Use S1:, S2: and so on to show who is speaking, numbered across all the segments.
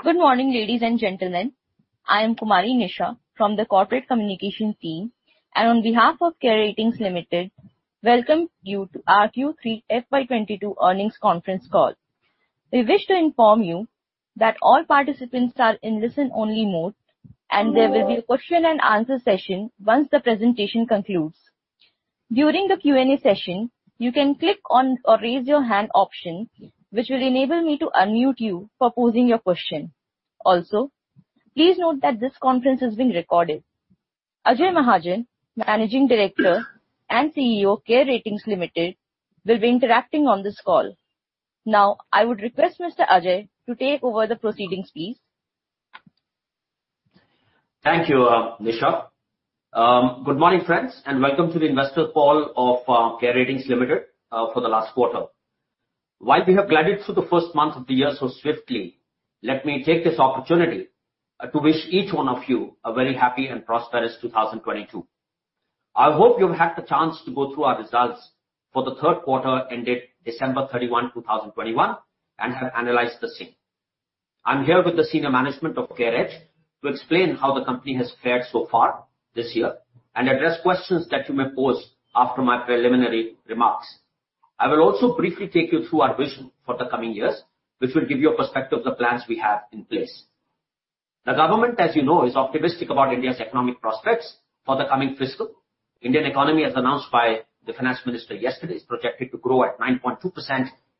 S1: Good morning, ladies and gentlemen. I am Kumari Nisha from the corporate communication team, and on behalf of CARE Ratings Limited, welcome you to our Q3 FY 2022 Earnings Conference Call. We wish to inform you that all participants are in listen-only mode, and there will be a question and answer session once the presentation concludes. During the Q&A session, you can click on or raise your hand option, which will enable me to unmute you for posing your question. Also, please note that this conference is being recorded. Ajay Mahajan, Managing Director and CEO, CARE Ratings Limited, will be interacting on this call. Now, I would request Mr. Ajay to take over the proceedings, please.
S2: Thank you, Nisha. Good morning, friends, and welcome to the investor call of CARE Ratings Limited for the last quarter. While we have glided through the first month of the year so swiftly, let me take this opportunity to wish each one of you a very happy and prosperous 2022. I hope you've had the chance to go through our results for the Third Quarter Ended 31 December 2021 and have analyzed the same. I'm here with the senior management of CAREEGE to explain how the company has fared so far this year and address questions that you may pose after my preliminary remarks. I will also briefly take you through our vision for the coming years, which will give you a perspective of the plans we have in place. The government, as you know, is optimistic about India's economic prospects for the coming fiscal. Indian economy, as announced by the Finance Minister yesterday, is projected to grow at 9.2%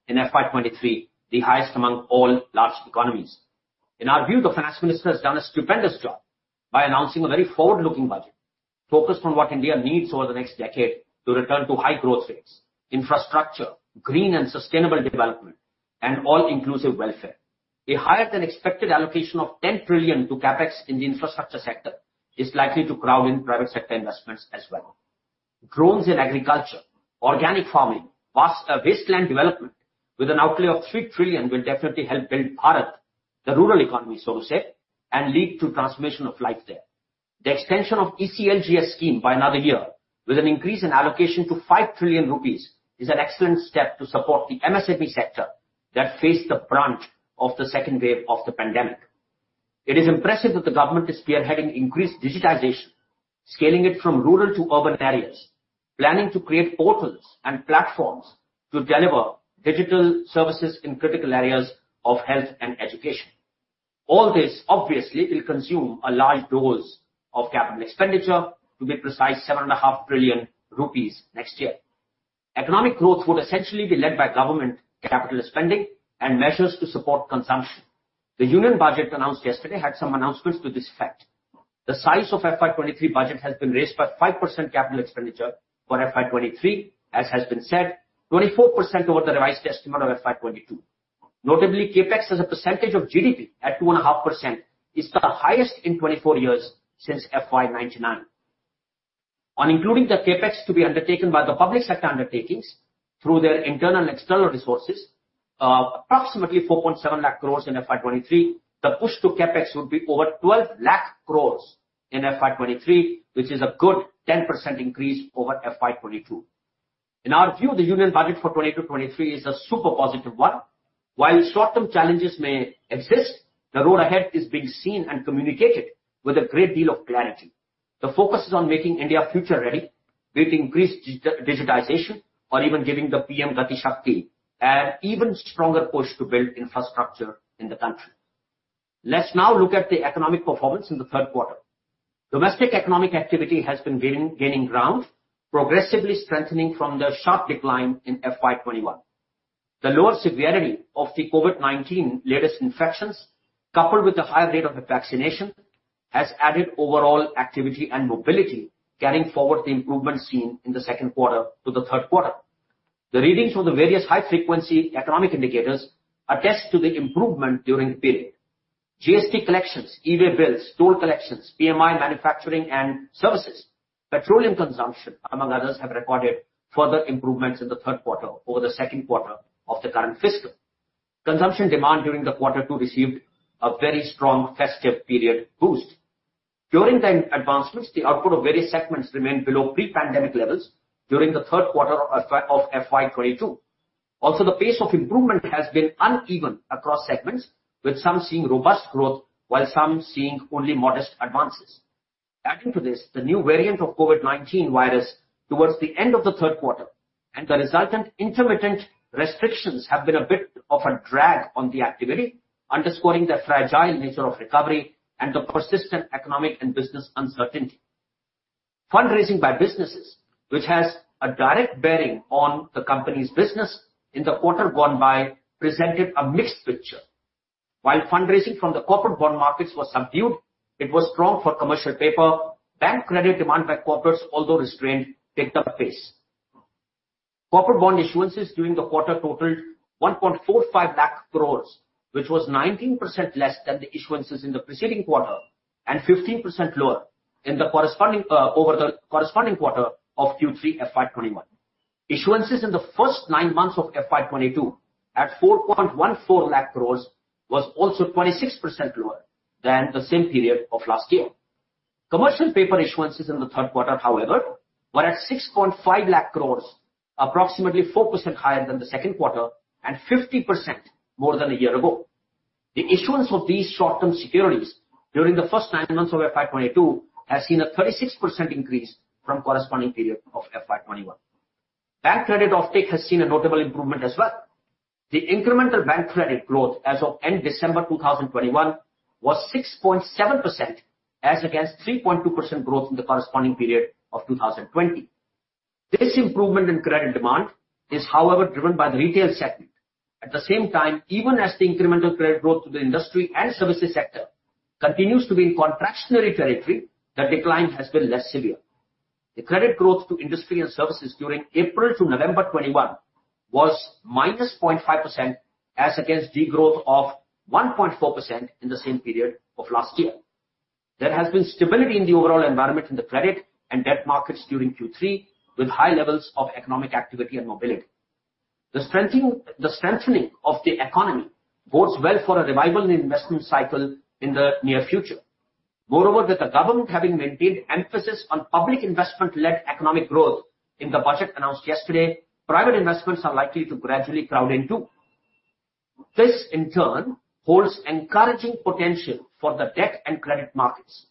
S2: in FY 2023, the highest among all large economies. In our view, the Finance Minister has done a stupendous job by announcing a very forward-looking budget focused on what India needs over the next decade to return to high growth rates, infrastructure, green and sustainable development, and all inclusive welfare. A higher than expected allocation of 10 trillion to CapEx in the infrastructure sector is likely to crowd in private sector investments as well. Drones in agriculture, organic farming, vast wasteland development with an outlay of 3 trillion will definitely help build Bharat, the rural economy, so to say, and lead to transformation of life there. The extension of ECLGS scheme by another year with an increase in allocation to 5 trillion rupees is an excellent step to support the MSME sector that faced the brunt of the second wave of the pandemic. It is impressive that the government is spearheading increased digitization, scaling it from rural to urban areas, planning to create portals and platforms to deliver digital services in critical areas of health and education. All this obviously will consume a large dose of capital expenditure. To be precise, 7.5 trillion rupees next year. Economic growth would essentially be led by government capital spending and measures to support consumption. The Union Budget announced yesterday had some announcements to this effect. The size of FY 2023 budget has been raised by 5% capital expenditure for FY 2023, as has been said, 24% over the revised estimate of FY 2022. Notably, CapEx as a percentage of GDP at 2.5% is the highest in 24 years since FY 1999. On including the CapEx to be undertaken by the public sector undertakings through their internal and external resources, approximately 4.7 lakh crores in FY 2023, the push to CapEx would be over 12 lakh crores in FY 2023, which is a good 10% increase over FY 2022. In our view, the Union Budget for 2022/2023 is a super positive one. While short-term challenges may exist, the road ahead is being seen and communicated with a great deal of clarity. The focus is on making India future ready with increased digitization or even giving the PM Gati Shakti an even stronger push to build infrastructure in the country. Let's now look at the economic performance in the third quarter. Domestic economic activity has been gaining ground, progressively strengthening from the sharp decline in FY 2021. The lower severity of the COVID-19 latest infections, coupled with the high rate of vaccination, has added overall activity and mobility, carrying forward the improvement seen in the second quarter to the third quarter. The readings from the various high-frequency economic indicators attest to the improvement during the period. GST collections, e-way bills, toll collections, PMI manufacturing and services, petroleum consumption, among others, have recorded further improvements in the third quarter over the second quarter of the current fiscal. Consumption demand during the quarter two received a very strong festive period boost. During the advancements, the output of various segments remained below pre-pandemic levels during the third quarter of FY 2022. Also, the pace of improvement has been uneven across segments, with some seeing robust growth while some seeing only modest advances. Adding to this, the new variant of COVID-19 virus towards the end of the third quarter and the resultant intermittent restrictions have been a bit of a drag on the activity, underscoring the fragile nature of recovery and the persistent economic and business uncertainty. Fundraising by businesses, which has a direct bearing on the company's business in the quarter gone by, presented a mixed picture. While fundraising from the corporate bond markets was subdued, it was strong for commercial paper. Bank credit demand by corporates, although restrained, picked up pace. Corporate bond issuances during the quarter totaled 1.45 lakh crore, which was 19% less than the issuances in the preceding quarter and 15% lower over the corresponding quarter of Q3 FY 2021. Issuances in the first nine months of FY 2022 at 4.14 lakh crores was also 26% lower than the same period of last year. Commercial paper issuances in the third quarter, however, were at 6.5 lakh crores, approximately 4% higher than the second quarter and 50% more than a year ago. The issuance of these short-term securities during the first nine months of FY 2022 has seen a 36% increase from corresponding period of FY 2021. Bank credit offtake has seen a notable improvement as well. The incremental bank credit growth as of end December 2021 was 6.7% as against 3.2% growth in the corresponding period of 2020. This improvement in credit demand is, however, driven by the retail segment. At the same time, even as the incremental credit growth to the industry and services sector continues to be in contractionary territory, the decline has been less severe. The credit growth to industry and services during April to November 2021 was -0.5% as against degrowth of 1.4% in the same period of last year. There has been stability in the overall environment in the credit and debt markets during Q3 with high levels of economic activity and mobility. The strengthening of the economy bodes well for a revival in investment cycle in the near future. Moreover, with the government having maintained emphasis on public investment-led economic growth in the budget announced yesterday, private investments are likely to gradually crowd in too. This in turn holds encouraging potential for the debt and credit markets.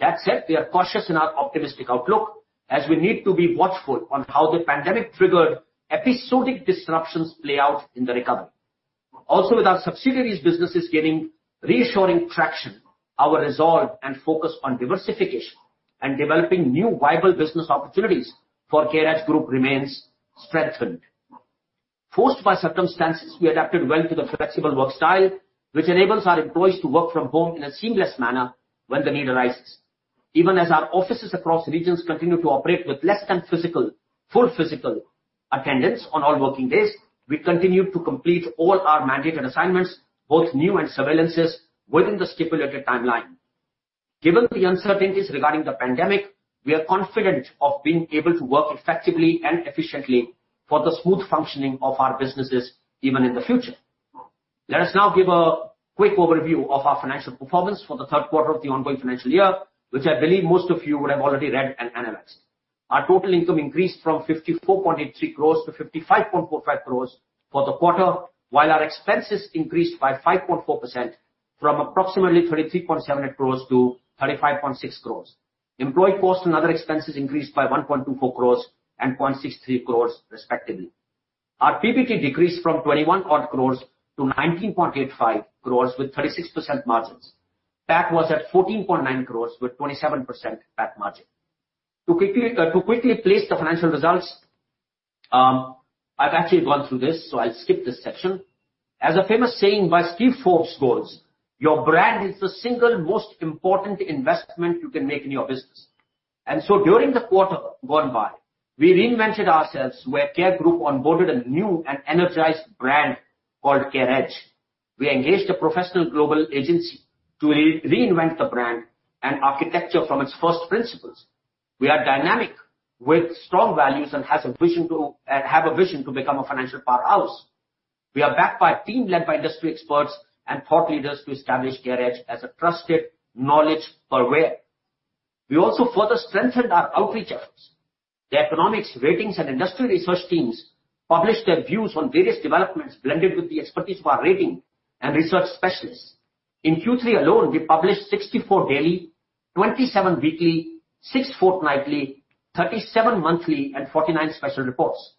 S2: That said, we are cautious in our optimistic outlook as we need to be watchful on how the pandemic triggered episodic disruptions play out in the recovery. Also, with our subsidiaries businesses gaining reassuring traction, our resolve and focus on diversification and developing new viable business opportunities for CAREEDGE Group remains strengthened. Forced by circumstances, we adapted well to the flexible work style, which enables our employees to work from home in a seamless manner when the need arises. Even as our offices across regions continue to operate with less than physical, full physical attendance on all working days, we continue to complete all our mandated assignments, both new and surveillances, within the stipulated timeline. Given the uncertainties regarding the pandemic, we are confident of being able to work effectively and efficiently for the smooth functioning of our businesses even in the future. Let us now give a quick overview of our financial performance for the third quarter of the ongoing financial year, which I believe most of you would have already read and analyzed. Our total income increased from 54.83 crores to 55.45 crores for the quarter, while our expenses increased by 5.4% from approximately 33.78 crores to 35.6 crores. Employee costs and other expenses increased by 1.24 crores and 0.63 crores respectively. Our PBT decreased from 21 crores to 19.85 crores with 36% margins. PAT was at 14.9 crores with 27% PAT margin. To quickly place the financial results, I've actually gone through this, so I'll skip this section. As a famous saying by Steve Forbes goes, "Your brand is the single most important investment you can make in your business." During the quarter gone by, we reinvented ourselves where CAREEDGE Group onboarded a new and energized brand called CAREEDGE. We engaged a professional global agency to reinvent the brand and architecture from its first principles. We are dynamic with strong values and has a vision to become a financial powerhouse. We are backed by a team led by industry experts and thought leaders to establish CAREEDGE as a trusted knowledge purveyor. We also further strengthened our outreach efforts. The economics, ratings and industry research teams published their views on various developments blended with the expertise of our rating and research specialists. In Q3 alone, we published 64 daily, 27 weekly, 6 fortnightly, 37 monthly and 49 special reports.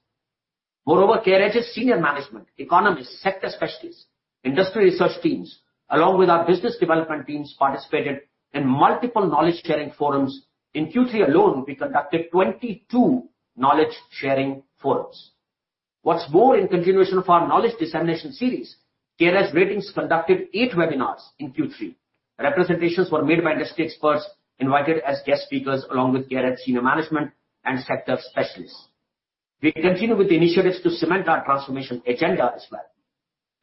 S2: Moreover, CAREEDGE senior management, economists, sector specialists, industry research teams, along with our business development teams, participated in multiple knowledge-sharing forums. In Q3 alone, we conducted 22 knowledge-sharing forums. What's more, in continuation of our knowledge dissemination series, CAREEDGE Ratings conducted eight webinars in Q3. Representations were made by industry experts invited as guest speakers along with CAREEDGE senior management and sector specialists. We continue with the initiatives to cement our transformation agenda as well.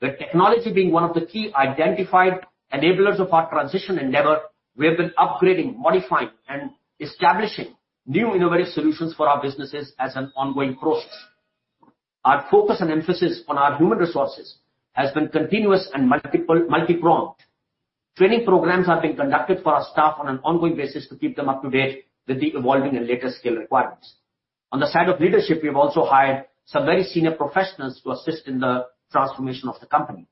S2: With technology being one of the key identified enablers of our transition endeavor, we have been upgrading, modifying, and establishing new innovative solutions for our businesses as an ongoing process. Our focus and emphasis on our human resources has been continuous and multi-pronged. Training programs have been conducted for our staff on an ongoing basis to keep them up to date with the evolving and latest skill requirements. On the side of leadership, we have also hired some very senior professionals to assist in the transformation of the company.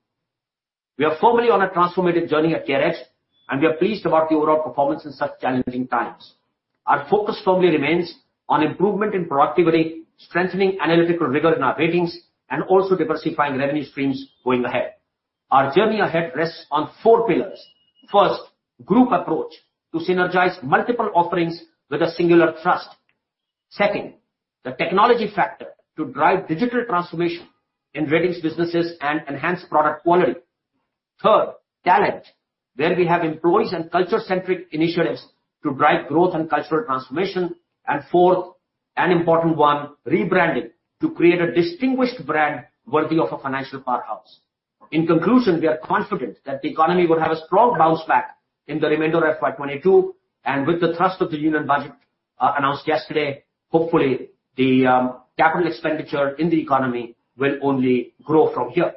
S2: We are firmly on a transformative journey at CAREEDGE, and we are pleased about the overall performance in such challenging times. Our focus firmly remains on improvement in productivity, strengthening analytical rigor in our ratings, and also diversifying revenue streams going ahead. Our journey ahead rests on four pillars. First, group approach to synergize multiple offerings with a singular trust. Second, the technology factor to drive digital transformation in ratings businesses and enhance product quality. Third, talent, where we have employees and culture-centric initiatives to drive growth and cultural transformation. Fourth, an important one, rebranding to create a distinguished brand worthy of a financial powerhouse. In conclusion, we are confident that the economy will have a strong bounce back in the remainder of FY 2022. With the thrust of the Union Budget announced yesterday, hopefully the capital expenditure in the economy will only grow from here.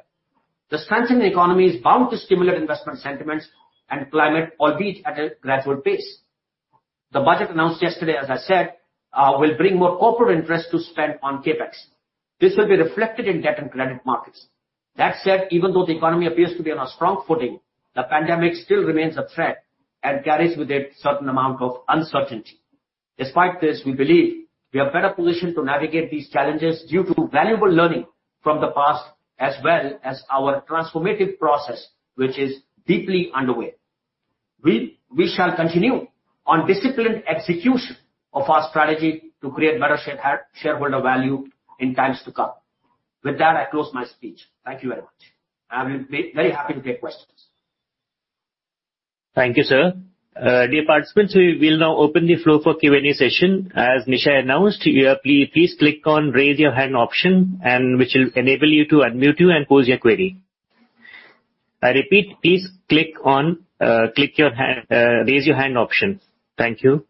S2: The strengthening economy is bound to stimulate investment sentiments and climate, albeit at a gradual pace. The budget announced yesterday, as I said, will bring more corporate interest to spend on CapEx. This will be reflected in debt and credit markets. That said, even though the economy appears to be on a strong footing, the pandemic still remains a threat and carries with it certain amount of uncertainty. Despite this, we believe we are better positioned to navigate these challenges due to valuable learning from the past, as well as our transformative process, which is deeply underway. We shall continue on disciplined execution of our strategy to create better shareholder value in times to come. With that, I close my speech. Thank you very much. I will be very happy to take questions.
S3: Thank you, sir. Dear participants, we will now open the floor for Q&A session. As Nisha announced, please click on Raise Your Hand option and which will enable you to unmute you and pose your query. I repeat, please click on Raise Your Hand option. Thank you.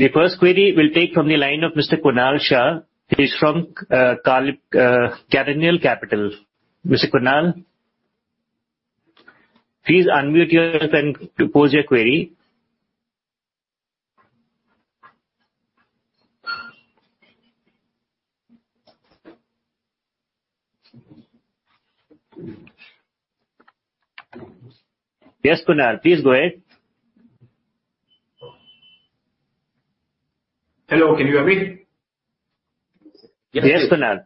S3: The first query we'll take from the line of Mr. Kunal Shah. He's from Carnelian Capital. Mr. Kunal, please unmute yourself and pose your query. Yes, Kunal. Please go ahead.
S4: Hello, can you hear me?
S3: Yes, Kunal.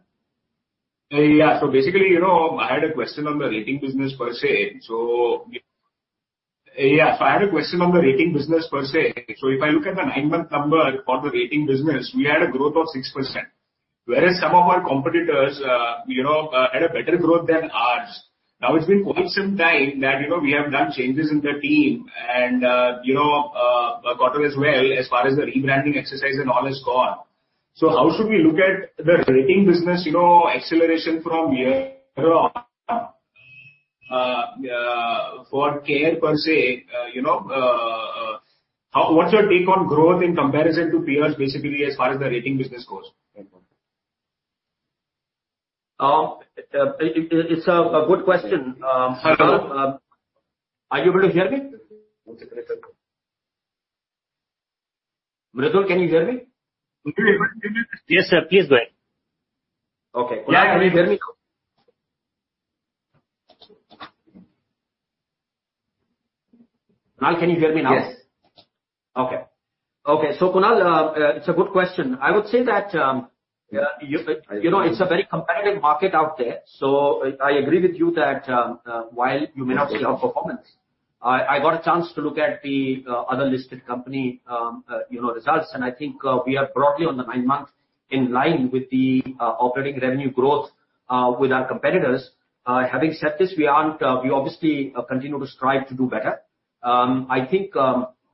S4: Basically, you know, I had a question on the rating business per se. If I look at the nine-month number for the rating business, we had a growth of 6%, whereas some of our competitors had a better growth than ours. Now, it's been quite some time that we have done changes in the team and got on as well, as far as the rebranding exercise and all is gone. How should we look at the rating business, you know, acceleration from here on for CARE per se? You know, what's your take on growth in comparison to peers, basically, as far as the rating business goes? Thank you.
S2: It's a good question.
S4: Hello?
S2: Are you able to hear me?
S3: Yes, sir. Please go ahead.
S2: Okay. Kunal, can you hear me? Kunal, can you hear me now?
S4: Yes.
S2: Kunal, it's a good question. I would say that, you know, it's a very competitive market out there. I agree with you that, while you may not see our performance, I got a chance to look at the other listed company, you know, results, and I think we are broadly on the nine-month in line with the operating revenue growth with our competitors. Having said this, we obviously continue to strive to do better. I think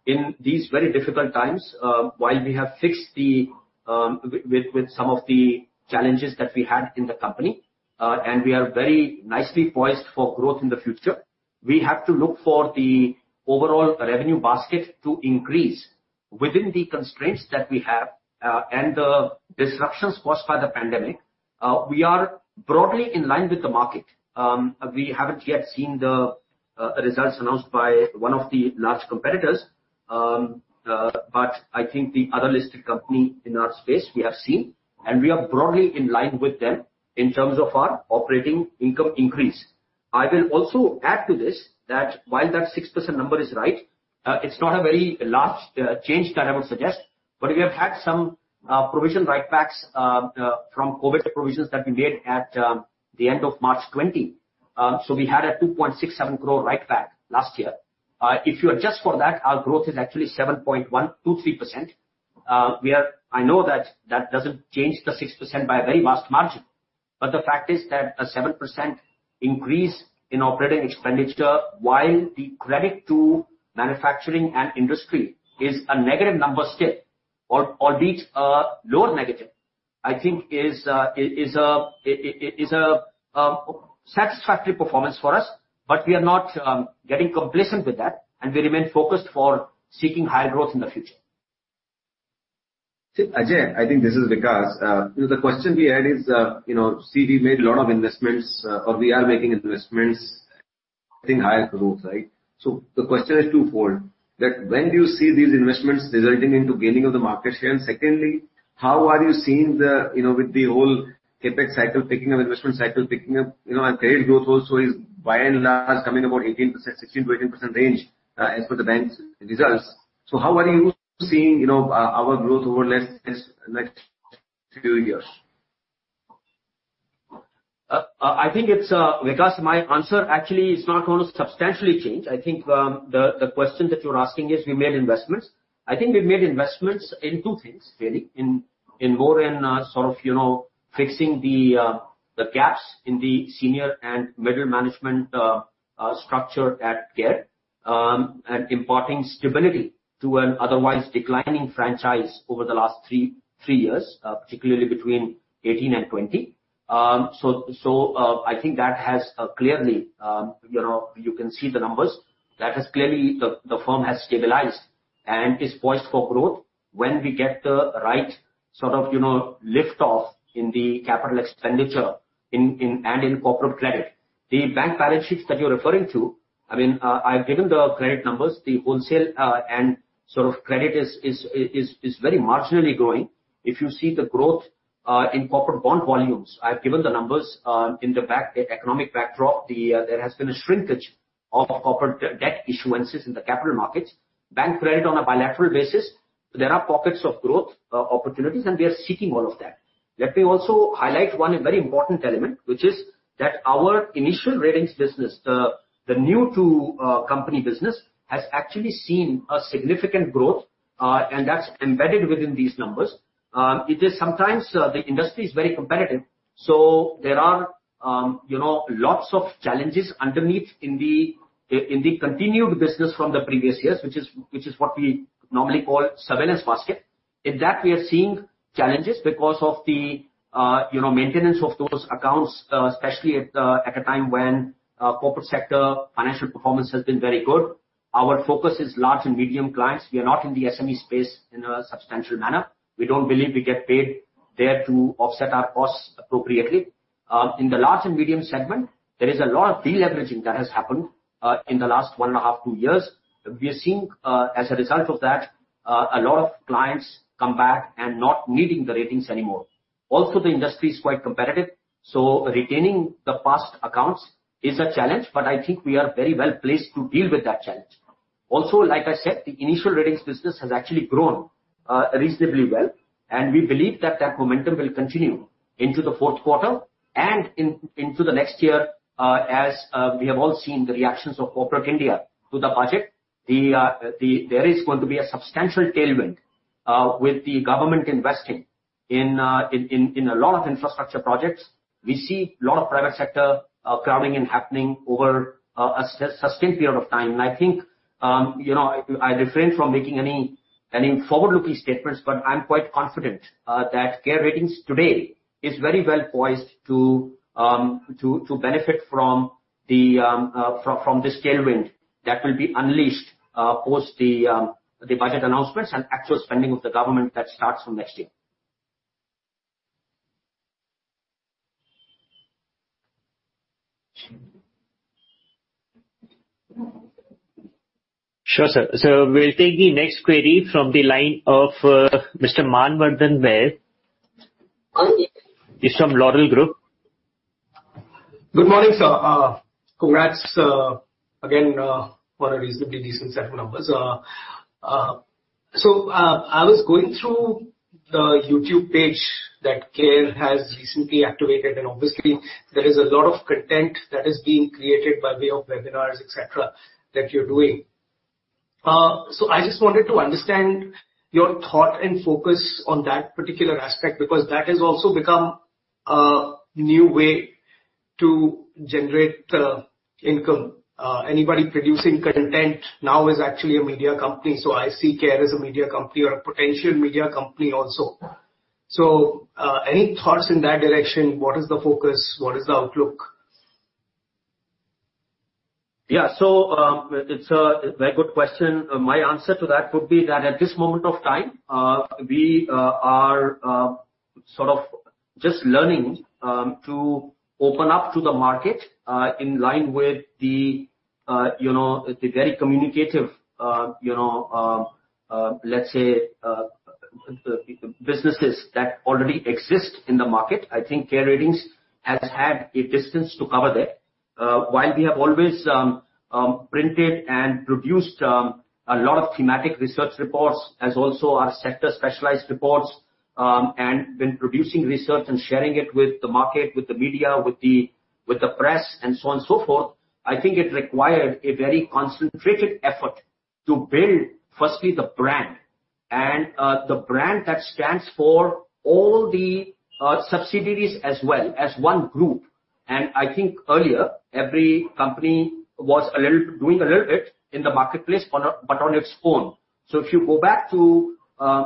S2: in these very difficult times, while we have fixed some of the challenges that we had in the company, and we are very nicely poised for growth in the future, we have to look for the overall revenue basket to increase within the constraints that we have, and the disruptions caused by the pandemic. We are broadly in line with the market. We haven't yet seen the results announced by one of the large competitors, but I think the other listed company in our space, we have seen, and we are broadly in line with them in terms of our operating income increase. I will also add to this that while that 6% number is right, it's not a very large change that I would suggest. We have had some provision write-backs from COVID provisions that we made at the end of March 2020. We had a 2.67 crore write-back last year. If you adjust for that, our growth is actually 7.123%. I know that doesn't change the 6% by a very vast margin. The fact is that a 7% increase in operating expenditure while the credit to manufacturing and industry is a negative number still or leads a lower negative, I think is a satisfactory performance for us. We are not getting complacent with that, and we remain focused for seeking higher growth in the future.
S5: See, Ajay, I think this is Vikas. The question we had is, you know, see, we made a lot of investments or we are making investments, getting higher growth, right? The question is twofold, that when do you see these investments resulting into gaining of the market share? Secondly, how are you seeing the, you know, with the whole CapEx cycle picking up, investment cycle picking up, you know, and credit growth also is by and large coming about 18%, 16%-18% range, as per the bank's results. How are you seeing, you know, our growth over the next few years?
S2: I think it's because my answer actually is not gonna substantially change. I think the question that you're asking is we made investments. I think we made investments in two things really. In more sort of you know fixing the gaps in the senior and middle management structure at CARE. And imparting stability to an otherwise declining franchise over the last three years particularly between 2018 and 2020. I think that has clearly you know you can see the numbers. That has clearly the firm has stabilized and is poised for growth when we get the right sort of you know lift off in the capital expenditure and in corporate credit. The bank balance sheets that you're referring to, I mean, I've given the credit numbers, the wholesale, and sort of credit is very marginally growing. If you see the growth in corporate bond volumes, I've given the numbers in the back economic backdrop. There has been a shrinkage of corporate debt issuances in the capital markets. Bank credit on a bilateral basis, there are pockets of growth opportunities, and we are seeking all of that. Let me also highlight one very important element, which is that our initial ratings business, the new to company business, has actually seen a significant growth, and that's embedded within these numbers. It is sometimes the industry is very competitive, so there are you know lots of challenges underneath in the in the continued business from the previous years, which is what we normally call surveillance basket. In that we are seeing challenges because of the you know maintenance of those accounts especially at a time when corporate sector financial performance has been very good. Our focus is large and medium clients. We are not in the SME space in a substantial manner. We don't believe we get paid there to offset our costs appropriately. In the large and medium segment, there is a lot of deleveraging that has happened in the last one and half to two years. We are seeing, as a result of that, a lot of clients come back and not needing the ratings anymore. The industry is quite competitive, so retaining the past accounts is a challenge, but I think we are very well placed to deal with that challenge. Also, like I said, the initial ratings business has actually grown reasonably well, and we believe that momentum will continue into the fourth quarter and into the next year, as we have all seen the reactions of corporate India to the budget. There is going to be a substantial tailwind with the government investing in a lot of infrastructure projects. We see a lot of private sector crowding in over a sustained period of time. I think, you know, I refrain from making any forward-looking statements, but I'm quite confident that CARE Ratings today is very well poised to benefit from this tailwind that will be unleashed post the budget announcements and actual spending of the government that starts from next year.
S3: Sure, sir. We'll take the next query from the line of Mr. Manvardhan Vaid.
S2: Hi.
S3: He's from L'Oréal Group.
S6: Good morning, sir. Congrats again, what a reasonably decent set of numbers. I was going through the YouTube page that CARE has recently activated, and obviously there is a lot of content that is being created by way of webinars, et cetera, that you're doing. I just wanted to understand your thought and focus on that particular aspect, because that has also become a new way to generate income. Anybody producing content now is actually a media company. I see CARE as a media company or a potential media company also. Any thoughts in that direction? What is the focus? What is the outlook?
S2: It's a very good question. My answer to that would be that at this moment of time, we are sort of just learning to open up to the market in line with the, you know, the very communicative, you know, let's say, businesses that already exist in the market. I think CARE Ratings has had a distance to cover there. While we have always printed and produced a lot of thematic research reports, as also our sector specialized reports, and been producing research and sharing it with the market, with the media, with the press, and so on and so forth, I think it required a very concentrated effort to build, firstly, the brand and the brand that stands for all the subsidiaries as well as one group. I think earlier, every company was doing a little bit in the marketplace but on its own. If you go back to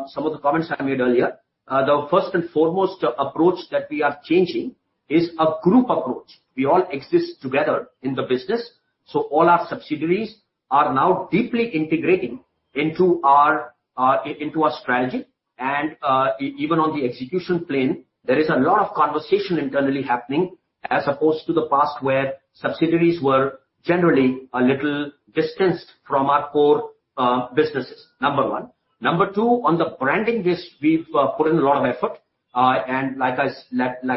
S2: some of the comments I made earlier, the first and foremost approach that we are changing is a group approach. We all exist together in the business, so all our subsidiaries are now deeply integrating into our strategy. Even on the execution plane, there is a lot of conversation internally happening as opposed to the past, where subsidiaries were generally a little distanced from our core businesses, number one. Number two, on the branding bit, we've put in a lot of effort. Like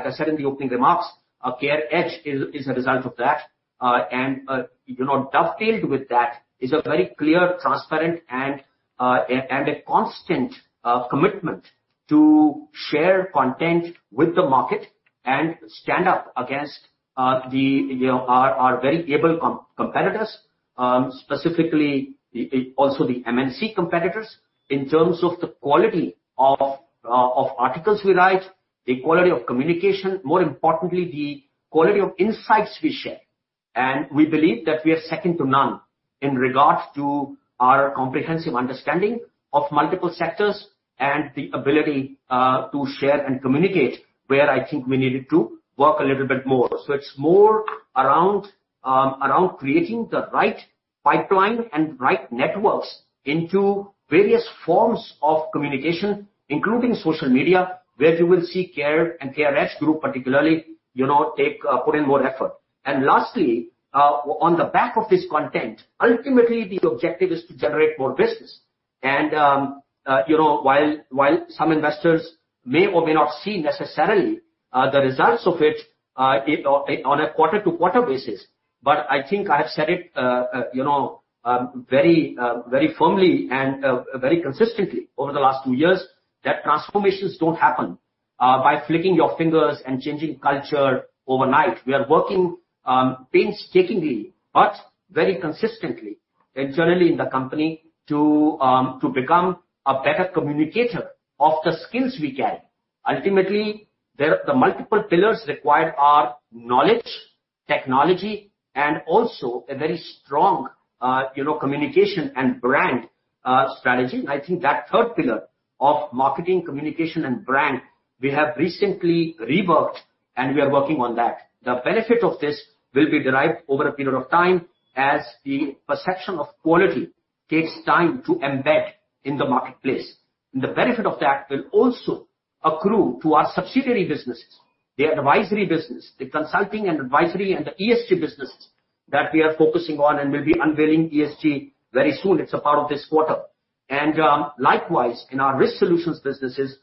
S2: I said in the opening remarks, CAREEDGE is a result of that. You know, dovetailed with that is a very clear, transparent and a constant commitment to share content with the market and stand up against the, you know, our very able competitors, specifically also the MNC competitors in terms of the quality of articles we write, the quality of communication, more importantly, the quality of insights we share. We believe that we are second to none in regards to our comprehensive understanding of multiple sectors and the ability to share and communicate, where I think we needed to work a little bit more. It's more around around creating the right pipeline and right networks into various forms of communication, including social media, where you will see CARE and CAREEDGE Group particularly, you know, take put in more effort. Lastly, on the back of this content, ultimately the objective is to generate more business. You know, while some investors may or may not see necessarily the results of it on a quarter-to-quarter basis, but I think I have said it you know very firmly and very consistently over the last two years, that transformations don't happen by flicking your fingers and changing culture overnight. We are working painstakingly but very consistently internally in the company to become a better communicator of the skills we carry. Ultimately, there are the multiple pillars required are knowledge, technology, and also a very strong you know communication and brand strategy. I think that third pillar of marketing, communication and brand, we have recently reworked, and we are working on that. The benefit of this will be derived over a period of time as the perception of quality takes time to embed in the marketplace. The benefit of that will also accrue to our subsidiary businesses, the advisory business, the consulting and advisory, and the ESG businesses that we are focusing on and will be unveiling ESG very soon. It's a part of this quarter. Likewise in our risk solutions businesses,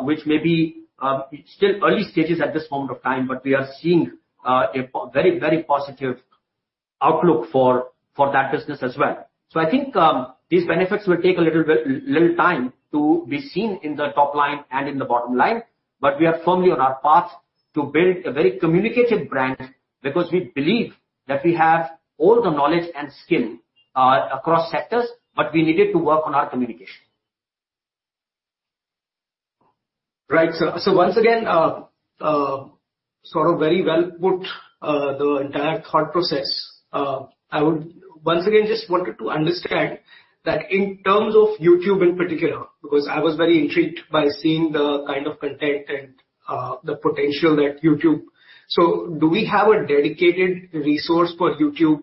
S2: which may be, still early stages at this moment of time, but we are seeing, a very, very positive outlook for that business as well. I think these benefits will take a little bit of time to be seen in the top line and in the bottom line, but we are firmly on our path to build a very communicative brand because we believe that we have all the knowledge and skill across sectors, but we needed to work on our communication.
S6: Right. Once again, sort of very well put, the entire thought process. I would once again just wanted to understand that in terms of YouTube in particular, because I was very intrigued by seeing the kind of content and, the potential that YouTube. Do we have a dedicated resource for YouTube?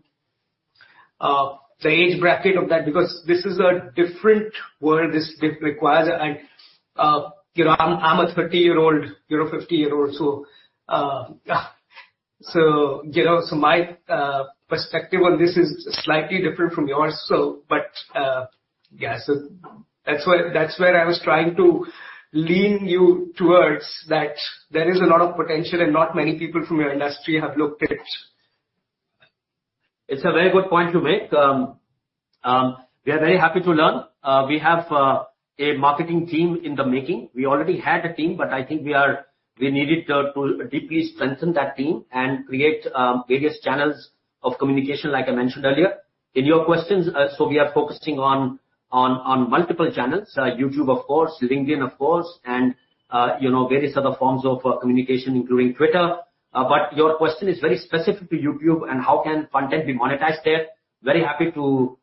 S6: The age bracket of that, because this is a different world, this requires. You know, I'm a 30-year-old, you're a 50-year-old, you know, my perspective on this is slightly different from yours. That's where I was trying to lean you towards that. There is a lot of potential and not many people from your industry have looked at it.
S2: It's a very good point to make. We are very happy to learn. We have a marketing team in the making. We already had a team, but I think we needed to deeply strengthen that team and create various channels of communication, like I mentioned earlier. In your questions, so we are focusing on multiple channels, YouTube, of course, LinkedIn, of course, and you know, various other forms of communication, including Twitter. But your question is very specific to YouTube and how content can be monetized there. Very happy to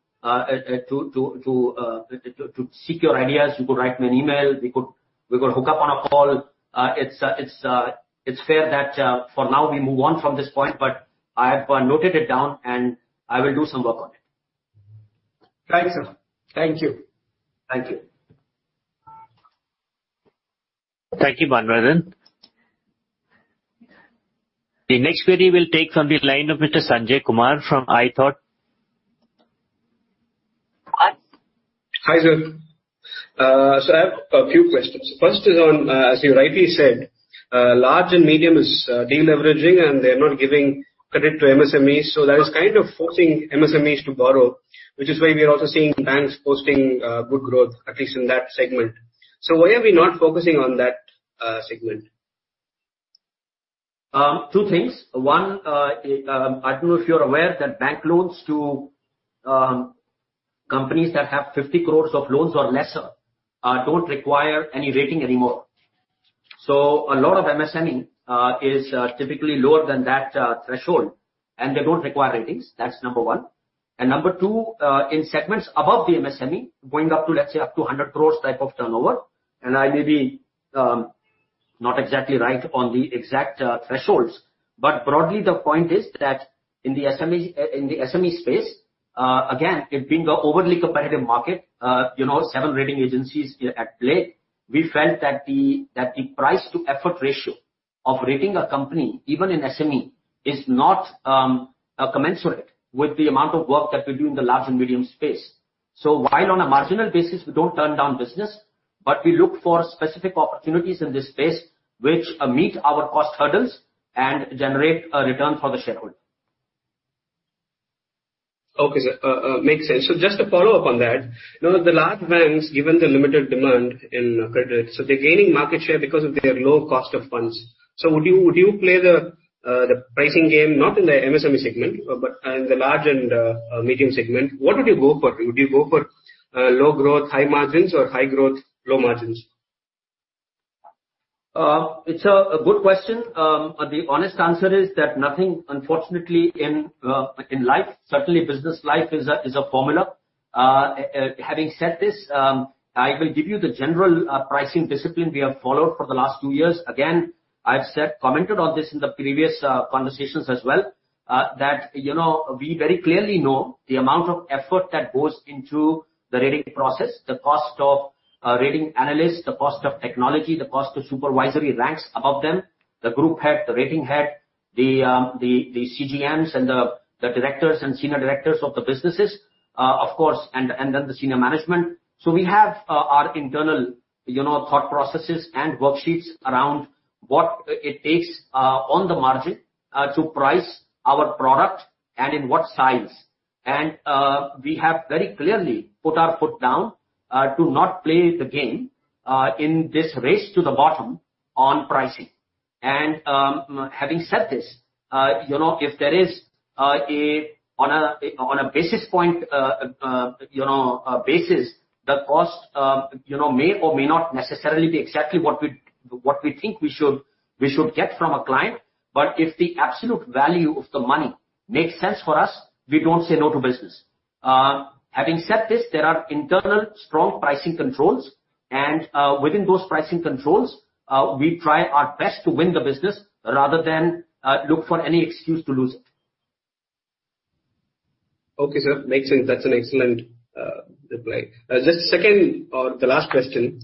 S2: seek your ideas. You could write me an email. We could hook up on a call. It's fair that for now we move on from this point, but I have noted it down, and I will do some work on it.
S6: Thanks, sir. Thank you.
S2: Thank you.
S3: Thank you, Manvardhan. The next query we'll take from the line of Mr. Sanjay Kumar from iThought.
S7: Hi. Hi, sir. I have a few questions. First is on, as you rightly said, large and medium is de-leveraging, and they're not giving credit to MSMEs, so that is kind of forcing MSMEs to borrow, which is why we are also seeing banks posting good growth, at least in that segment. Why are we not focusing on that segment?
S2: Two things. One, I don't know if you're aware that bank loans to companies that have 50 crore of loans or less don't require any rating anymore. A lot of MSME is typically lower than that threshold, and they don't require ratings. That's number one. Number two, in segments above the MSME, going up to, let's say, up to 100 crores type of turnover, and I may be not exactly right on the exact thresholds, but broadly, the point is that in the SME space, again, it being a overly competitive market, you know, several rating agencies at play, we felt that the price to effort ratio of rating a company, even in SME, is not commensurate with the amount of work that we do in the large and medium space. While on a marginal basis, we don't turn down business, but we look for specific opportunities in this space which meet our cost hurdles and generate a return for the shareholder.
S7: Okay, sir. Makes sense. Just to follow up on that, you know, the large banks, given the limited demand in credit, so they're gaining market share because of their low cost of funds. Would you play the pricing game, not in the MSME segment, but in the large and medium segment? What would you go for? Would you go for low growth, high margins, or high growth, low margins?
S2: It's a good question. The honest answer is that nothing, unfortunately, in life, certainly business life is a formula. Having said this, I will give you the general pricing discipline we have followed for the last two years. Again, I've commented on this in the previous conversations as well, that you know, we very clearly know the amount of effort that goes into the rating process, the cost of rating analysts, the cost of technology, the cost of supervisory ranks above them, the group head, the rating head, the CGMs and the directors and senior directors of the businesses, of course, and then the senior management. We have our internal you know thought processes and worksheets around what it takes on the margin to price our product and in what size. We have very clearly put our foot down to not play the game in this race to the bottom on pricing. Having said this, you know, if there is on a basis point basis, you know, the cost may or may not necessarily be exactly what we think we should get from a client, but if the absolute value of the money makes sense for us, we don't say no to business. Having said this, there are internal strong pricing controls and, within those pricing controls, we try our best to win the business rather than look for any excuse to lose it.
S7: Okay, sir. Makes sense. That's an excellent reply. Just second or the last question.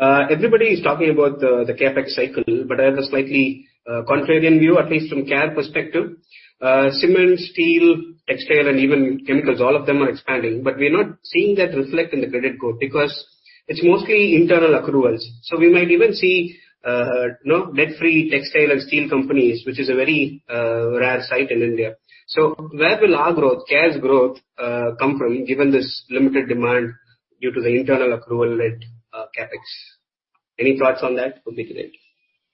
S7: Everybody is talking about the CapEx cycle, but I have a slightly contrarian view, at least from Care perspective. Cement, steel, textile, and even chemicals, all of them are expanding, but we're not seeing that reflect in the credit code because it's mostly internal accruals. So we might even see, you know, debt-free textile and steel companies, which is a very rare sight in India. So where will our growth, Care's growth, come from, given this limited demand due to the internal accrual-led CapEx? Any thoughts on that would be great.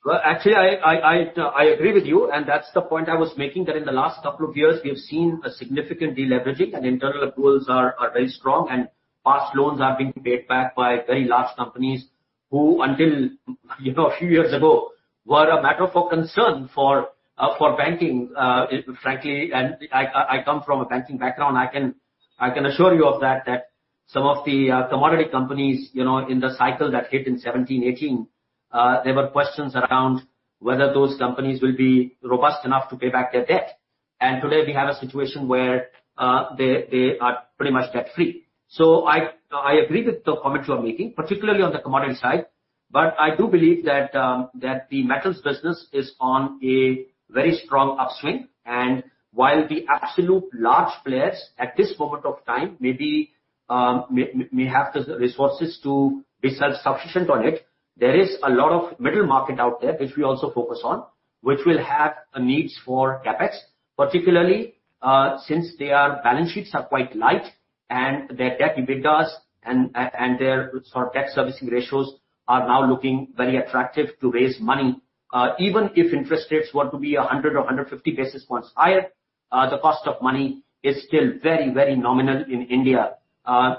S2: Well, actually, I agree with you, and that's the point I was making, that in the last couple of years we have seen a significant deleveraging and internal accruals are very strong and past loans are being paid back by very large companies who until, you know, a few years ago were a matter for concern for banking. Frankly, and I come from a banking background, I can assure you of that some of the commodity companies, you know, in the cycle that hit in 2017, 2018, there were questions around whether those companies will be robust enough to pay back their debt. Today we have a situation where they are pretty much debt-free. I agree with the comment you are making, particularly on the commodity side, but I do believe that the metals business is on a very strong upswing. While the absolute large players at this moment of time may have the resources to be self-sufficient on it, there is a lot of middle market out there which we also focus on, which will have needs for CapEx. Particularly, since their balance sheets are quite light and their debt-to-EBITDA's and their sort of debt servicing ratios are now looking very attractive to raise money. Even if interest rates were to be 100 or 150 basis points higher, the cost of money is still very, very nominal in India,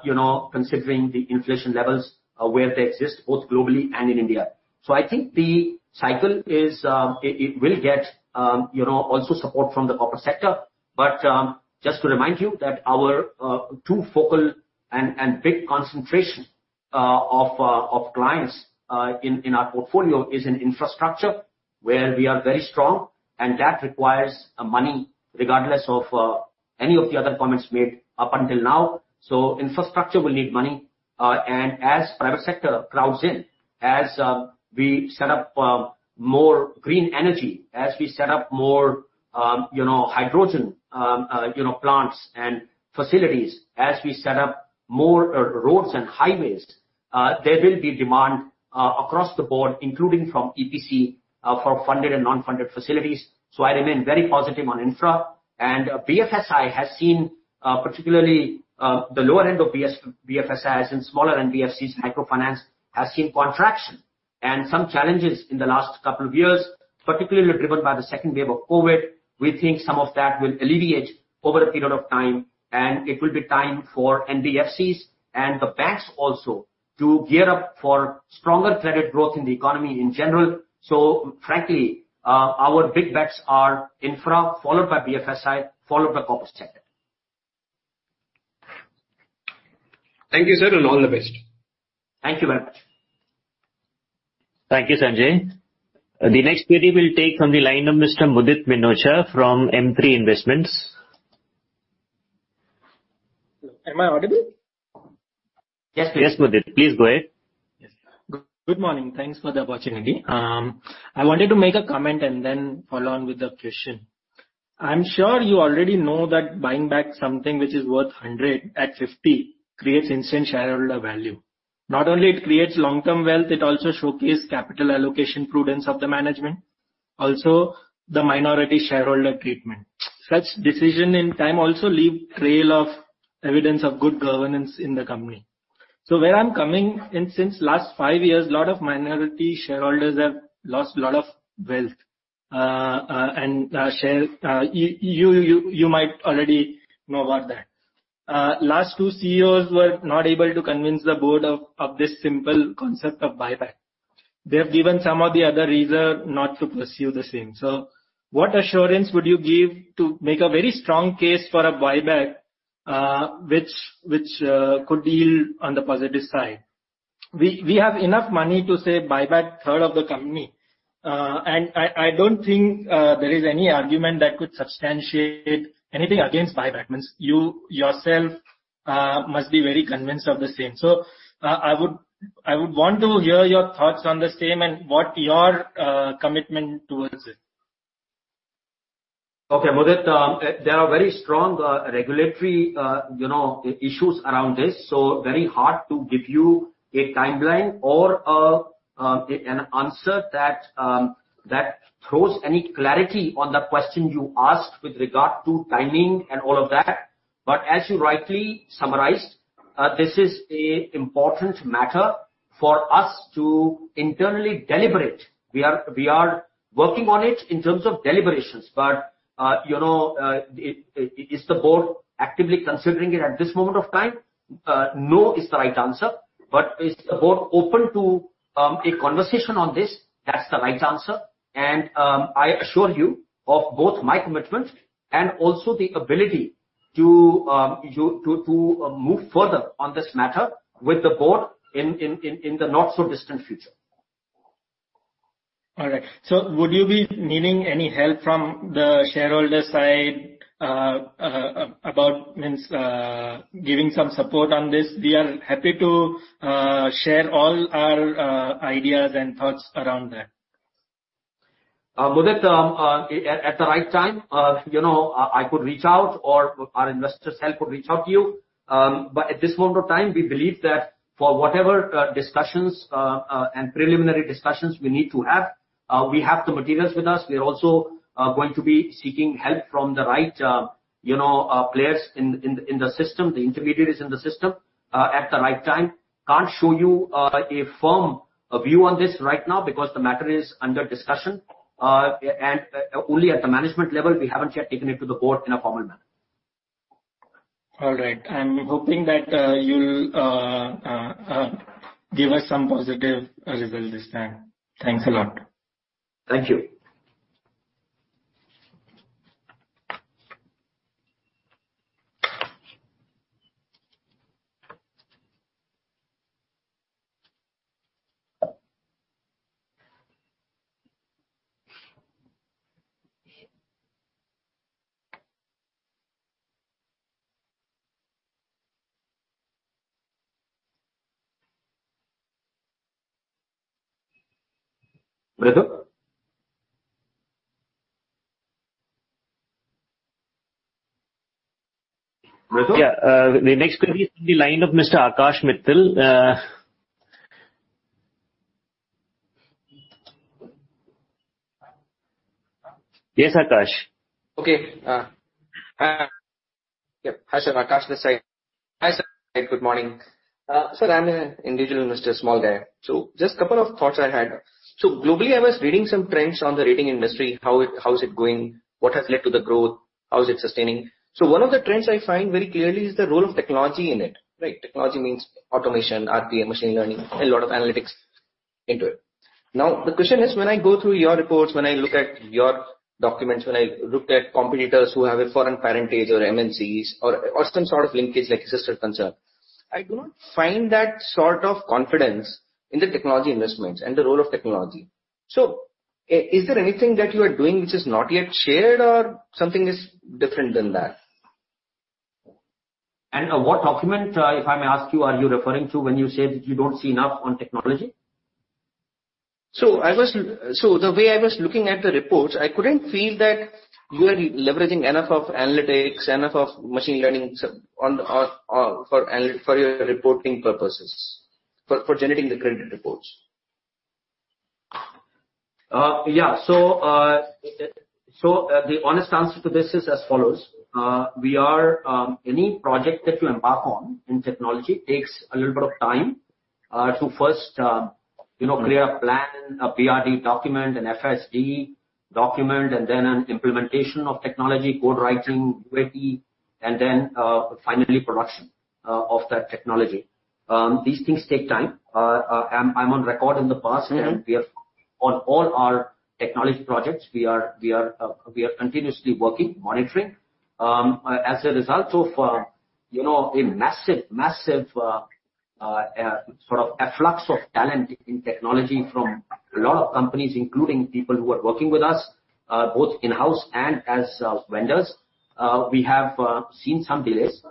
S2: you know, considering the inflation levels where they exist, both globally and in India. I think the cycle is it will get you know also support from the corporate sector. Just to remind you that our two focal and big concentration of clients in our portfolio is in infrastructure, where we are very strong and that requires money regardless of any of the other comments made up until now. Infrastructure will need money. As private sector crowds in, as we set up more green energy, as we set up more you know hydrogen you know plants and facilities, as we set up more roads and highways, there will be demand across the board, including from EPC for funded and non-funded facilities. I remain very positive on infra. BFSI has seen, particularly, the lower end of BFSI, so smaller NBFCs microfinance has seen contraction and some challenges in the last couple of years, particularly driven by the second wave of COVID. We think some of that will alleviate over a period of time, and it will be time for NBFCs and the banks also to gear up for stronger credit growth in the economy in general. Frankly, our big bets are infra, followed by BFSI, followed by corporate sector.
S7: Thank you, sir, and all the best.
S2: Thank you very much.
S3: Thank you, Sanjay. The next query we'll take from the line of Mr. Mudit Minocha from M3 Investments.
S8: Am I audible?
S3: Yes, Mudit. Please go ahead.
S8: Yes. Good morning. Thanks for the opportunity. I wanted to make a comment and then follow on with a question. I'm sure you already know that buying back something which is worth 100 at 50 creates instant shareholder value. Not only it creates long-term wealth, it also showcase capital allocation prudence of the management. Also the minority shareholder treatment. Such decision in time also leave trail of evidence of good governance in the company. Where I'm coming, and since last five years, a lot of minority shareholders have lost a lot of wealth. You might already know about that. Last two CEOs were not able to convince the board of this simple concept of buyback. They have given some of the other reason not to pursue the same. What assurance would you give to make a very strong case for a buyback, which could yield on the positive side? We have enough money to buy back a third of the company, and I don't think there is any argument that could substantiate anything against buyback. Means you yourself must be very convinced of the same. I would want to hear your thoughts on the same and what your commitment towards it.
S2: Okay, Mudit. There are very strong regulatory, you know, issues around this, so very hard to give you a timeline or an answer that throws any clarity on the question you asked with regard to timing and all of that. As you rightly summarized, this is an important matter for us to internally deliberate. We are working on it in terms of deliberations. Is the board actively considering it at this moment of time? No is the right answer. Is the board open to a conversation on this? That's the right answer. I assure you of both my commitment and also the ability to move further on this matter with the board in the not so distant future.
S8: All right. Would you be needing any help from the shareholder side about giving some support on this? We are happy to share all our ideas and thoughts around that.
S2: Mudit, at the right time, you know, I could reach out or our investors help could reach out to you. At this moment of time, we believe that for whatever discussions and preliminary discussions we need to have, we have the materials with us. We are also going to be seeking help from the right, you know, players in the system, the intermediaries in the system, at the right time. Can't show you a firm view on this right now because the matter is under discussion and only at the management level. We haven't yet taken it to the board in a formal manner.
S8: All right. I'm hoping that you'll give us some positive result this time. Thanks a lot.
S2: Thank you.
S3: Yeah. The next query is in the line of Mr. Akash Mittal. Yes, Akash.
S9: Okay. Hi, sir. Akash this side. Hi, sir. Good morning. Sir, I'm an individual investor, small guy. Just couple of thoughts I had. Globally, I was reading some trends on the rating industry, how is it going, what has led to the growth, how is it sustaining. One of the trends I find very clearly is the role of technology in it, right? Technology means automation, RPA, machine learning, a lot of analytics into it. Now, the question is, when I go through your reports, when I look at your documents, when I looked at competitors who have a foreign parentage or MNCs or some sort of linkage like a sister concern, I do not find that sort of confidence in the technology investments and the role of technology. Is there anything that you are doing which is not yet shared or something is different than that?
S2: What document, if I may ask you, are you referring to when you said you don't see enough on technology?
S9: The way I was looking at the reports, I couldn't feel that you are leveraging enough of analytics, enough of machine learning for your reporting purposes, for generating the credit reports.
S2: Yeah. The honest answer to this is as follows. Any project that you embark on in technology takes a little bit of time to first you know create a plan, a PRD document, an FSD document, and then an implementation of technology, code writing, quality, and then finally production of that technology. These things take time. I'm on record in the past, and we are on all our technology projects. We are continuously working, monitoring. As a result of you know a massive sort of influx of talent in technology from a lot of companies, including people who are working with us both in-house and as vendors, we have seen some delays.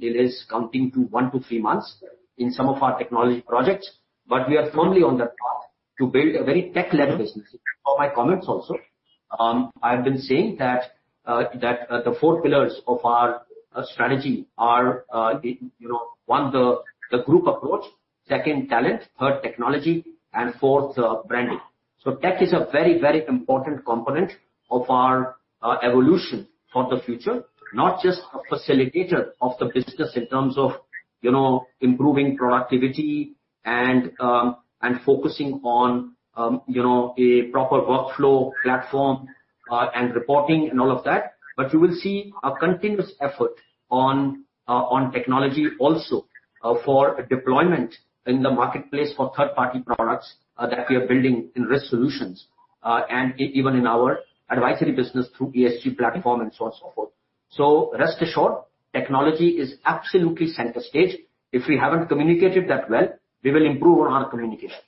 S2: Delays amounting to one to three months in some of our technology projects. We are firmly on the path to build a very tech-led business. In all my comments also, I've been saying that the four pillars of our strategy are, you know, one, the group approach, second talent, third technology, and fourth, branding. Tech is a very, very important component of our evolution for the future, not just a facilitator of the business in terms of, you know, improving productivity and focusing on, you know, a proper workflow platform and reporting and all of that. You will see a continuous effort on technology also for deployment in the marketplace for third-party products that we are building in risk solutions and even in our advisory business through ESG platform and so on, so forth. Rest assured, technology is absolutely center stage. If we haven't communicated that well, we will improve on our communication.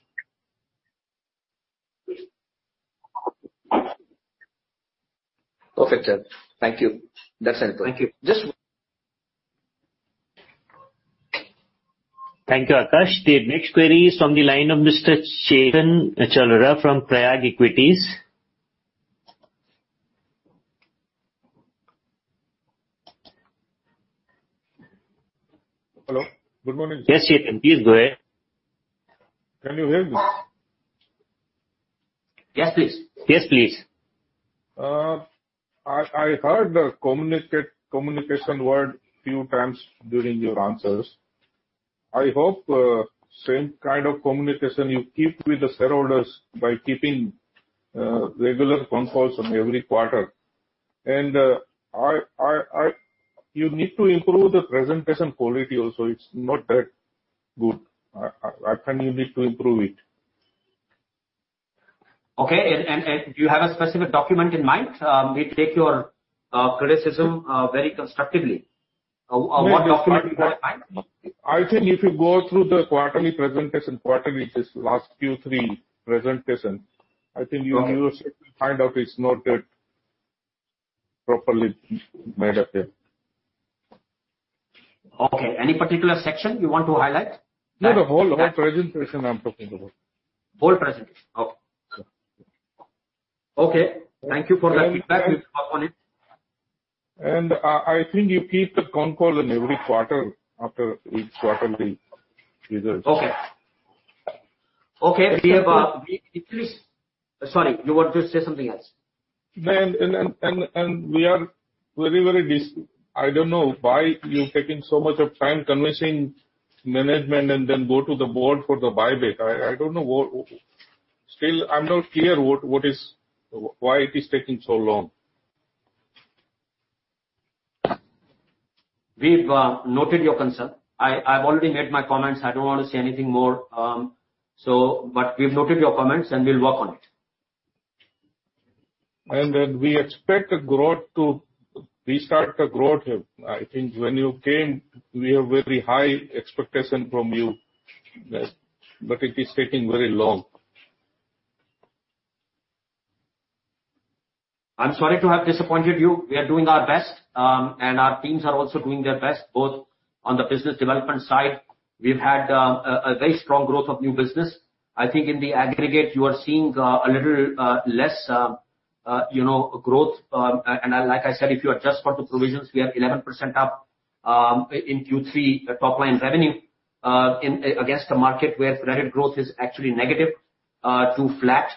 S9: Perfect, sir. Thank you. That's helpful.
S2: Thank you.
S3: Thank you, Akash. The next query is from the line of Mr. Chetan Cholera from Pragya Equities.
S10: Hello. Good morning, sir.
S2: Yes, Chetan. Please go ahead.
S10: Can you hear me?
S2: Yes, please.
S3: Yes, please.
S10: I heard the communication word few times during your answers. I hope same kind of communication you keep with the shareholders by keeping regular conference calls on every quarter. You need to improve the presentation quality also. It's not that good. I think you need to improve it.
S2: Okay. Do you have a specific document in mind? We take your criticism very constructively. What document you have in mind?
S10: I think if you go through the quarterly presentation, this last Q3 presentation, I think you find out it's not that properly made up there.
S2: Okay. Any particular section you want to highlight?
S10: No, the whole presentation I'm talking about.
S2: Whole presentation? Okay, cool. Okay. Thank you for that feedback. We'll work on it.
S10: I think you keep the conference call in every quarter after each quarterly results.
S2: Okay. We have,
S10: And one-
S2: Please. Sorry, you want to say something else?
S10: We are very disappointed. I don't know why you're taking so much of time convincing management and then go to the board for the buyback. I don't know what. Still, I'm not clear what is. Why it is taking so long.
S2: We've noted your concern. I've already made my comments. I don't want to say anything more. We've noted your comments, and we'll work on it.
S10: Then we expect the growth to restart the growth here. I think when you came, we have very high expectation from you. It is taking very long.
S2: I'm sorry to have disappointed you. We are doing our best, and our teams are also doing their best, both on the business development side. We've had a very strong growth of new business. I think in the aggregate, you are seeing a little less, you know, growth. Like I said, if you adjust for the provisions, we are 11% up in Q3 top-line revenue against the market where credit growth is actually negative to flat.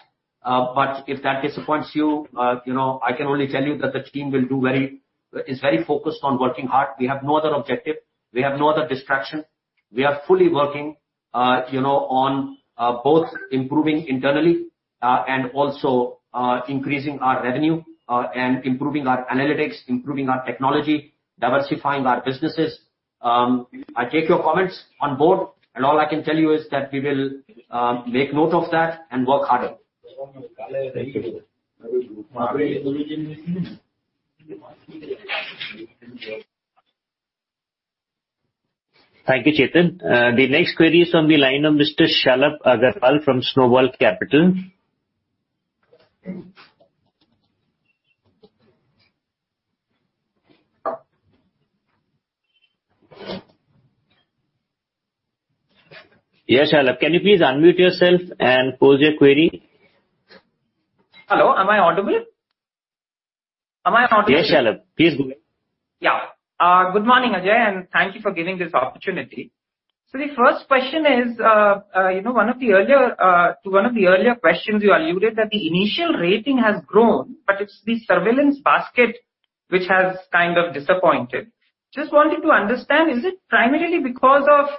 S2: If that disappoints you know, I can only tell you that the team is very focused on working hard. We have no other objective. We have no other distraction. We are fully working, you know, on both improving internally and also increasing our revenue and improving our analytics, improving our technology, diversifying our businesses. I take your comments on board, and all I can tell you is that we will make note of that and work harder.
S10: Thank you.
S3: Thank you, Chetan. The next query is on the line of Mr. Shalabh Agarwal from Snowball Capital. Yes, Shalabh. Can you please unmute yourself and pose your query?
S11: Hello, am I audible?
S3: Yes, Shalabh. Please go ahead.
S11: Yeah. Good morning, Ajay, and thank you for giving this opportunity. The first question is, you know, one of the earlier questions you alluded that the initial rating has grown, but it's the surveillance basket which has kind of disappointed. Just wanted to understand, is it primarily because of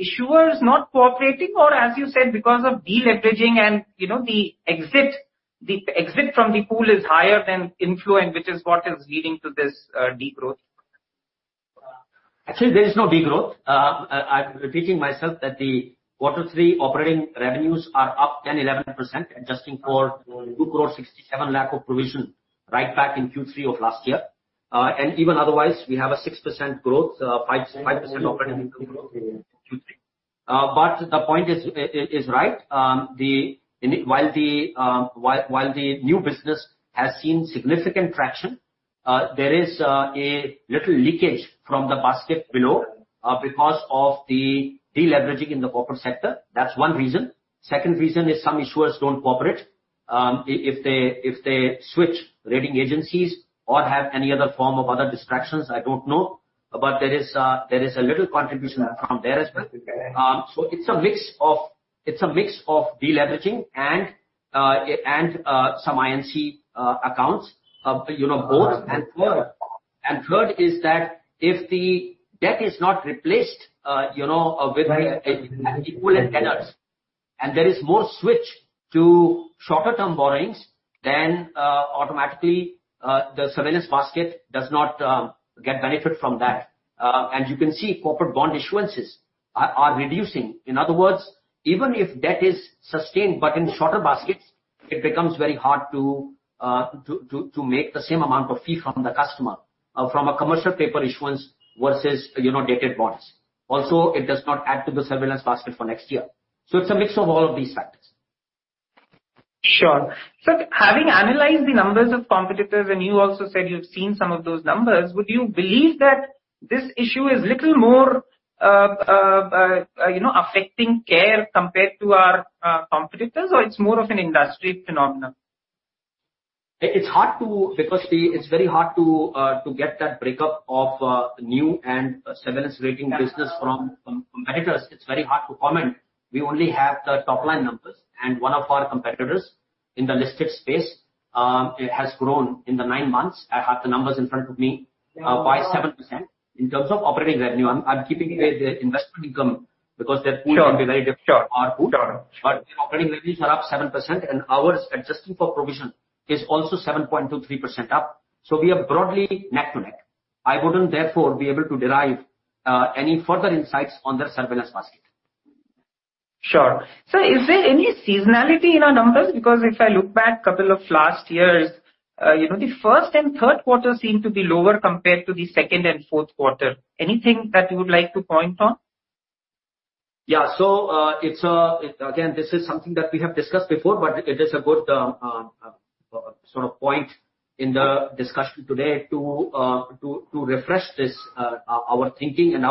S11: issuers not cooperating or, as you said, because of deleveraging and, you know, the exit from the pool is higher than inflow and which is what is leading to this degrowth?
S2: Actually, there is no degrowth. I'm repeating myself that the Q3 operating revenues are up 10-11%, adjusting for 2.67 crore of provision write back in Q3 of last year. And even otherwise, we have a 6% growth, 5% operating in Q3. But the point is right. While the new business has seen significant traction, there is a little leakage from the basket below because of the deleveraging in the corporate sector. That's one reason. Second reason is some issuers don't cooperate. If they switch rating agencies or have any other form of distractions, I don't know. But there is a little contribution from there as well. It's a mix of deleveraging and some INC accounts, you know, both. Third is that if the debt is not replaced, you know, with equivalent tenors and there is more switch to shorter term borrowings, then automatically the surveillance basket does not get benefit from that. You can see corporate bond issuances are reducing. In other words, even if debt is sustained but in shorter baskets, it becomes very hard to make the same amount of fee from the customer from a commercial paper issuance versus, you know, dated bonds. Also, it does not add to the surveillance basket for next year. It's a mix of all of these factors.
S11: Sure. Having analyzed the numbers of competitors, and you also said you've seen some of those numbers, would you believe that this issue is little more, you know, affecting CARE compared to our competitors or it's more of an industry phenomenon?
S2: It's very hard to get that breakup of new and surveillance rating business from competitors. It's very hard to comment. We only have the top line numbers. One of our competitors in the listed space, it has grown in the nine months. I have the numbers in front of me, by 7%. In terms of operating revenue, I'm keeping the investment income because their pool can be very different to our pool.
S11: Sure. Sure.
S2: Their operating revenues are up 7% and ours, adjusting for provision, is also 7.23% up. We are broadly neck to neck. I wouldn't therefore be able to derive any further insights on their surveillance basket.
S11: Sure. Sir, is there any seasonality in our numbers? Because if I look back couple of last years, you know, the first and third quarter seem to be lower compared to the second and fourth quarter. Anything that you would like to point on?
S2: It's again this is something that we have discussed before, but it is a good sort of point in the discussion today to refresh this our thinking and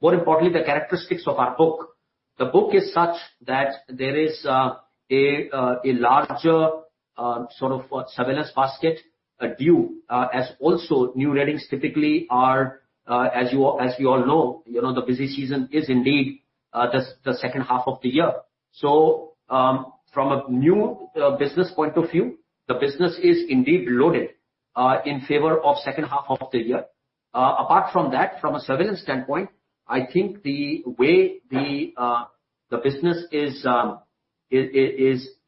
S2: more importantly the characteristics of our book. The book is such that there is a larger sort of surveillance basket due as also new ratings typically are as you all know, you know, the busy season is indeed the second half of the year. From a new business point of view, the business is indeed loaded in favor of second half of the year. Apart from that, from a surveillance standpoint, I think the way the business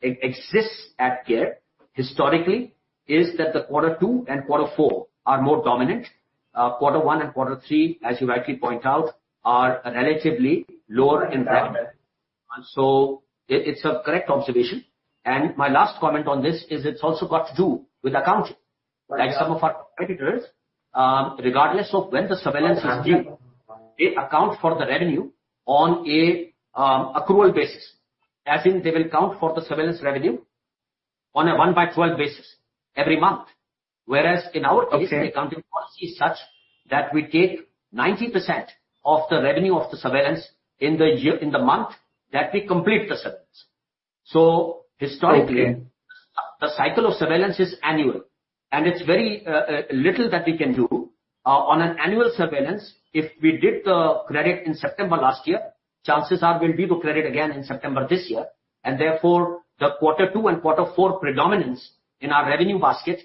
S2: exists at CARE historically is that quarter two and quarter four are more dominant. Quarter one and quarter three, as you rightly point out, are relatively lower in revenue. It's a correct observation. My last comment on this is it's also got to do with accounting. Like some of our competitors, regardless of when the surveillance is due, they account for the revenue on an accrual basis. As in they will account for the surveillance revenue on a one by 12 basis every month. Whereas in our case-
S11: Okay.
S2: The accounting policy is such that we take 90% of the revenue of the surveillance in the year, in the month that we complete the surveillance. Historically-
S11: Okay.
S2: The cycle of surveillance is annual, and it's very little that we can do. On an annual surveillance, if we did the credit in September last year, chances are we'll do the credit again in September this year. Therefore, the quarter two and quarter four predominance in our revenue basket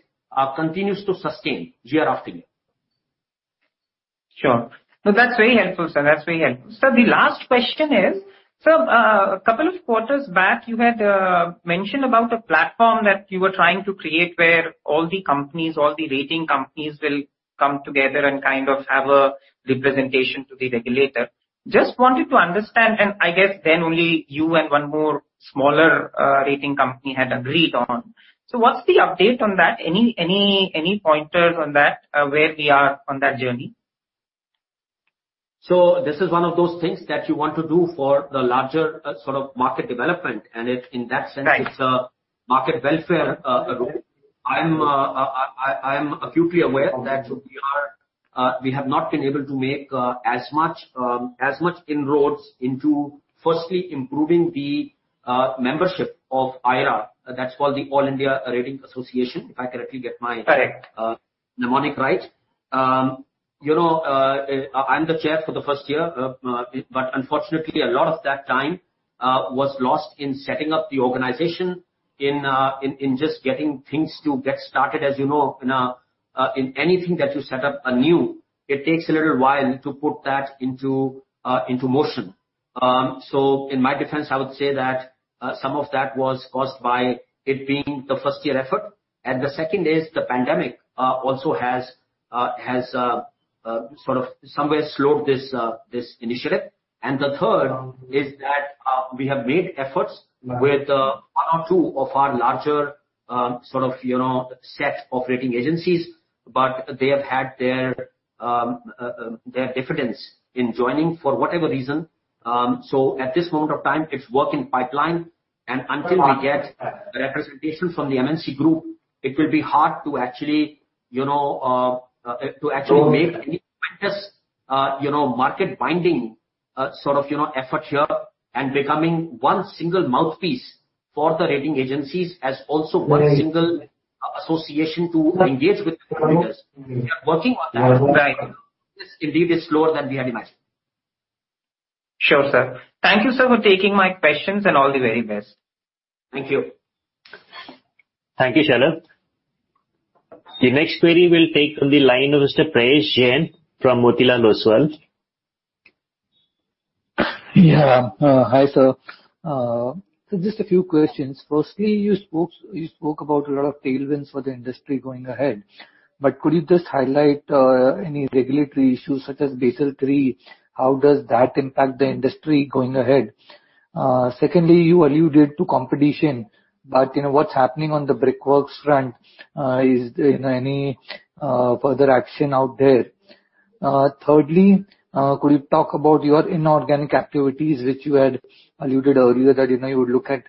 S2: continues to sustain year after year.
S11: Sure. No, that's very helpful, sir. That's very helpful. Sir, the last question is, sir, a couple of quarters back, you had mentioned about a platform that you were trying to create where all the companies, all the rating companies will come together and kind of have a representation to the regulator. Just wanted to understand, and I guess then only you and one more smaller rating company had agreed on. What's the update on that? Any pointers on that, where we are on that journey?
S2: This is one of those things that you want to do for the larger, sort of market development in that sense.
S11: Right.
S2: It's a market welfare role. I'm acutely aware of that. We have not been able to make as much inroads into firstly, improving the membership of AIRA. That's called the Association of Indian Rating Agencies, if I correctly get my-
S11: Correct.
S2: You know, I'm the chair for the first year, but unfortunately, a lot of that time was lost in setting up the organization, in just getting things to get started. As you know, in anything that you set up anew, it takes a little while to put that into motion. In my defense, I would say that some of that was caused by it being the first-year effort. The second is the pandemic also has somewhat slowed this initiative. The third is that we have made efforts-
S11: Right.
S2: With one or two of our larger, sort of, you know, set of rating agencies, but they have had their diffidence in joining for whatever reason. At this moment of time, it's work in the pipeline. Until we get representation from the MNC group, it will be hard to actually make any. Just, you know, market binding, sort of, you know, effort here and becoming one single mouthpiece for the rating agencies as also one single association to engage with creditors. We are working on that.
S11: Right.
S2: This indeed is slower than we had imagined.
S11: Sure, sir. Thank you, sir, for taking my questions and all the very best.
S2: Thank you.
S3: Thank you, Shalabh. The next query we'll take from the line of Mr. Prayesh Jain from Motilal Oswal.
S12: Hi, sir. Just a few questions. Firstly, you spoke about a lot of tailwinds for the industry going ahead. Could you just highlight any regulatory issues such as Basel III? How does that impact the industry going ahead? Secondly, you alluded to competition, but you know, what's happening on the Brickwork front, is there any further action out there? Thirdly, could you talk about your inorganic activities which you had alluded earlier that, you know, you would look at,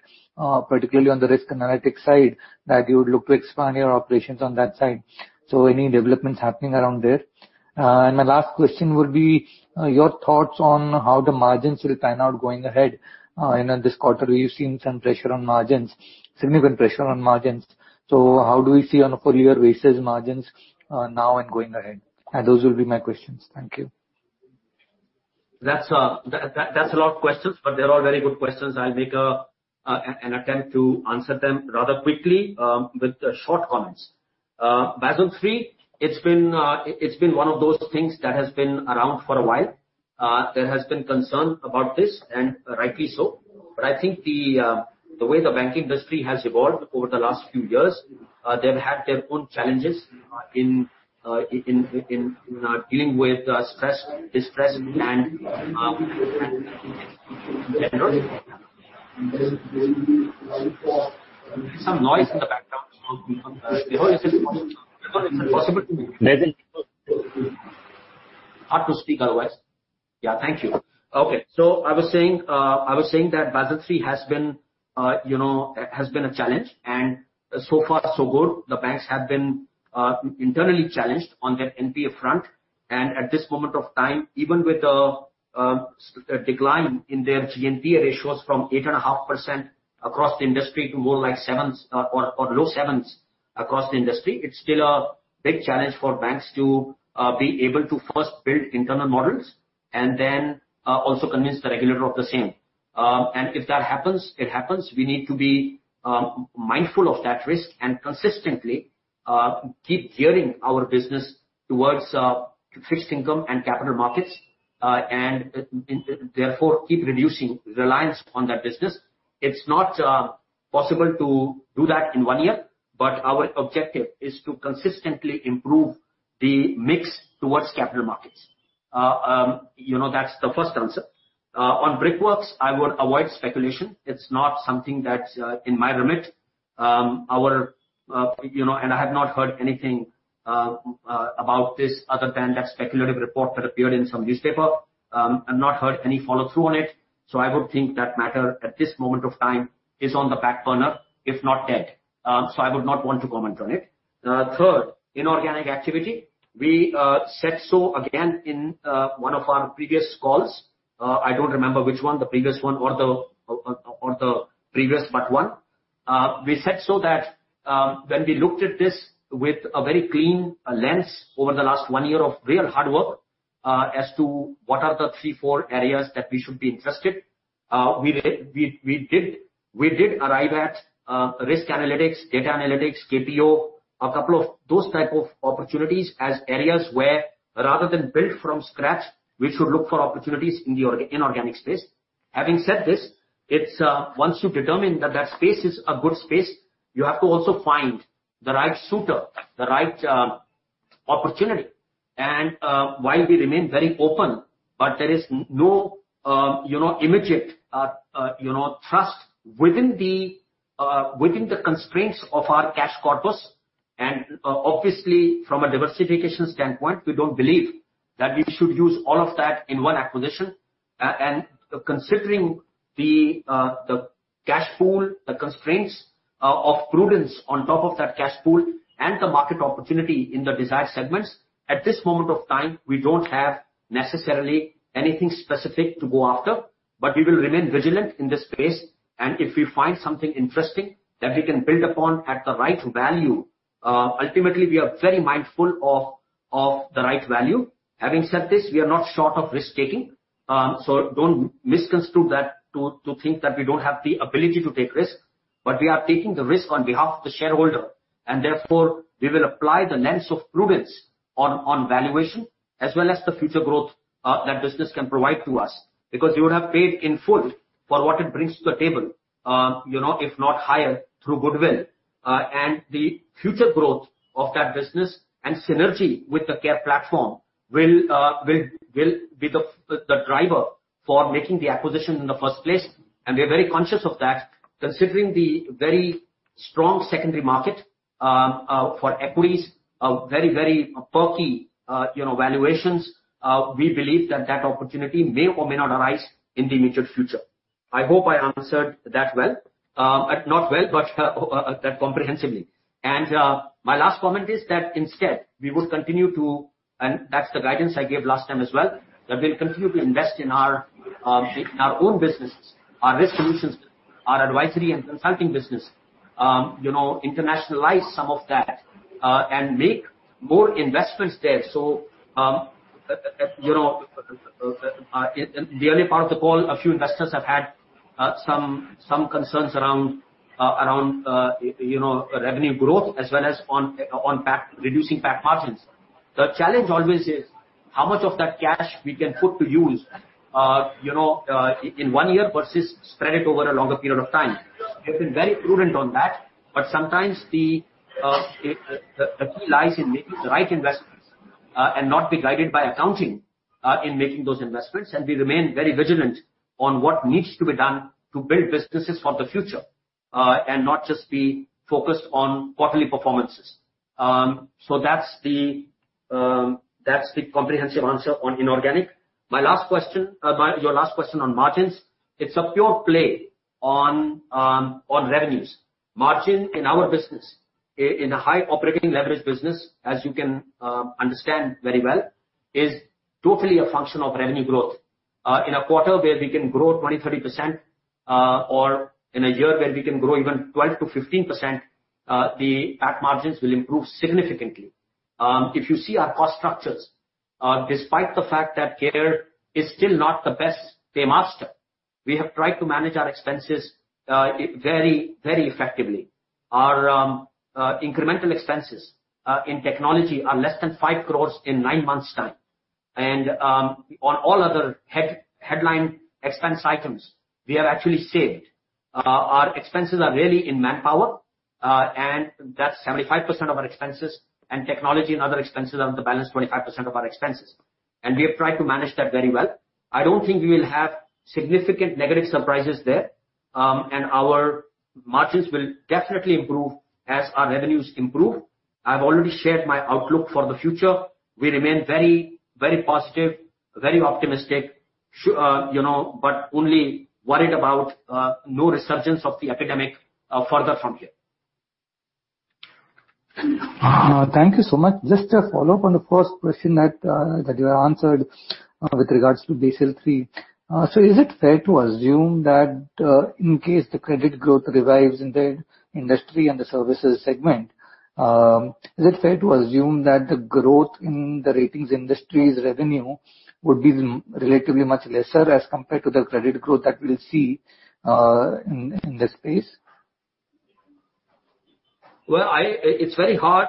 S12: particularly on the risk analytics side, that you would look to expand your operations on that side. So any developments happening around there? And my last question would be your thoughts on how the margins will pan out going ahead in this quarter. We've seen some pressure on margins, significant pressure on margins. How do we see on a full year basis margins, now and going ahead? Those will be my questions. Thank you.
S2: That's a lot of questions, but they're all very good questions. I'll make an attempt to answer them rather quickly with short comments. Basel III, it's been one of those things that has been around for a while. There has been concern about this, and rightly so. I think the way the bank industry has evolved over the last few years, they've had their own challenges in dealing with stress, distress and. I was saying that Basel III has been, you know, a challenge and so far so good. The banks have been internally challenged on their NPA front. At this moment of time, even with a decline in their GNPA ratios from 8.5% across the industry to more like 7% or low 7% across the industry, it's still a big challenge for banks to be able to first build internal models and then also convince the regulator of the same. If that happens, it happens. We need to be mindful of that risk and consistently keep gearing our business towards fixed income and capital markets and therefore keep reducing reliance on that business. It's not possible to do that in one year, but our objective is to consistently improve the mix towards capital markets. You know, that's the first answer. On Brickwork, I would avoid speculation. It's not something that's in my remit. You know, I have not heard anything about this other than that speculative report that appeared in some newspaper. I've not heard any follow-through on it, so I would think that matter at this moment of time is on the back burner, if not dead. I would not want to comment on it. Third, inorganic activity. We said so again in one of our previous calls. I don't remember which one, the previous one or the previous but one. We said so that when we looked at this with a very clean lens over the last one year of real hard work as to what are the three, four areas that we should be interested. We did arrive at risk analytics, data analytics, KPO, a couple of those type of opportunities as areas where rather than build from scratch, we should look for opportunities in the inorganic space. Having said this, it's once you determine that that space is a good space, you have to also find the right suitor, the right opportunity. While we remain very open, but there is no immediate thrust within the constraints of our cash corpus and obviously from a diversification standpoint, we don't believe that we should use all of that in one acquisition. Considering the cash pool, the constraints of prudence on top of that cash pool and the market opportunity in the desired segments, at this moment of time, we don't have necessarily anything specific to go after. We will remain vigilant in this space, and if we find something interesting that we can build upon at the right value, ultimately, we are very mindful of the right value. Having said this, we are not short of risk-taking, so don't misconstrue that to think that we don't have the ability to take risk. We are taking the risk on behalf of the shareholder, and therefore we will apply the lens of prudence on valuation as well as the future growth that business can provide to us, because you would have paid in full for what it brings to the table, you know, if not higher through goodwill. The future growth of that business and synergy with the CARE platform will be the driver for making the acquisition in the first place. We are very conscious of that, considering the very strong secondary market for equities, very perky, you know, valuations. We believe that opportunity may or may not arise in the immediate future. I hope I answered that well, not well, but comprehensively. My last comment is that instead we would continue to and that's the guidance I gave last time as well, that we'll continue to invest in our own businesses, our risk solutions, our advisory and consulting business. You know, in the early part of the call, a few investors have had some concerns around you know, revenue growth as well as on PAT, reducing PAT margins. The challenge always is how much of that cash we can put to use in one year versus spread it over a longer period of time. We've been very prudent on that, but sometimes the key lies in making the right investments and not be guided by accounting in making those investments. We remain very vigilant on what needs to be done to build businesses for the future and not just be focused on quarterly performances. That's the comprehensive answer on inorganic. Your last question on margins. It's a pure play on revenues. Margin in our business, in a high operating leverage business, as you can understand very well, is totally a function of revenue growth. In a quarter where we can grow 20, 30%, or in a year where we can grow even 12%-15%, the PAT margins will improve significantly. If you see our cost structures, despite the fact that CARE is still not the best pay master, we have tried to manage our expenses very, very effectively. Our incremental expenses in technology are less than 5 crore in nine months' time. On all other headline expense items, we have actually saved. Our expenses are really in manpower, and that's 75% of our expenses, and technology and other expenses are the balance 25% of our expenses. We have tried to manage that very well. I don't think we will have significant negative surprises there. Our margins will definitely improve as our revenues improve. I've already shared my outlook for the future. We remain very, very positive, very optimistic, you know, but only worried about no resurgence of the epidemic further from here.
S12: Thank you so much. Just a follow-up on the first question that you answered with regards to Basel III. Is it fair to assume that, in case the credit growth revives in the industry and the services segment, is it fair to assume that the growth in the ratings industry's revenue would be relatively much lesser as compared to the credit growth that we'll see in this space?
S2: Well, it's very hard.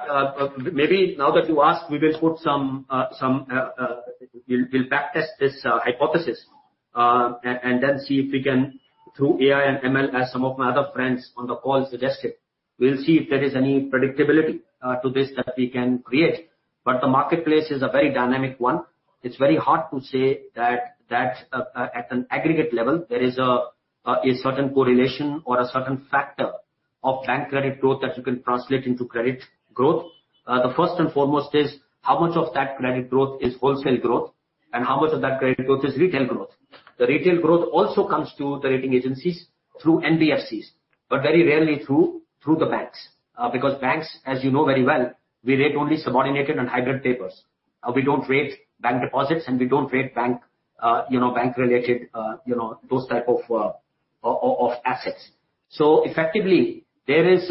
S2: Maybe now that you ask, we will put some, we'll back test this hypothesis, and then see if we can, through AI and ML, as some of my other friends on the call suggested, we'll see if there is any predictability to this that we can create. The marketplace is a very dynamic one. It's very hard to say that at an aggregate level there is a certain correlation or a certain factor of bank credit growth that you can translate into credit growth. The first and foremost is how much of that credit growth is wholesale growth and how much of that credit growth is retail growth. The retail growth also comes to the rating agencies through NBFCs, but very rarely through the banks. Because banks, as you know very well, we rate only subordinated and hybrid papers. We don't rate bank deposits and we don't rate bank, you know, bank related, you know, those type of assets. Effectively there is,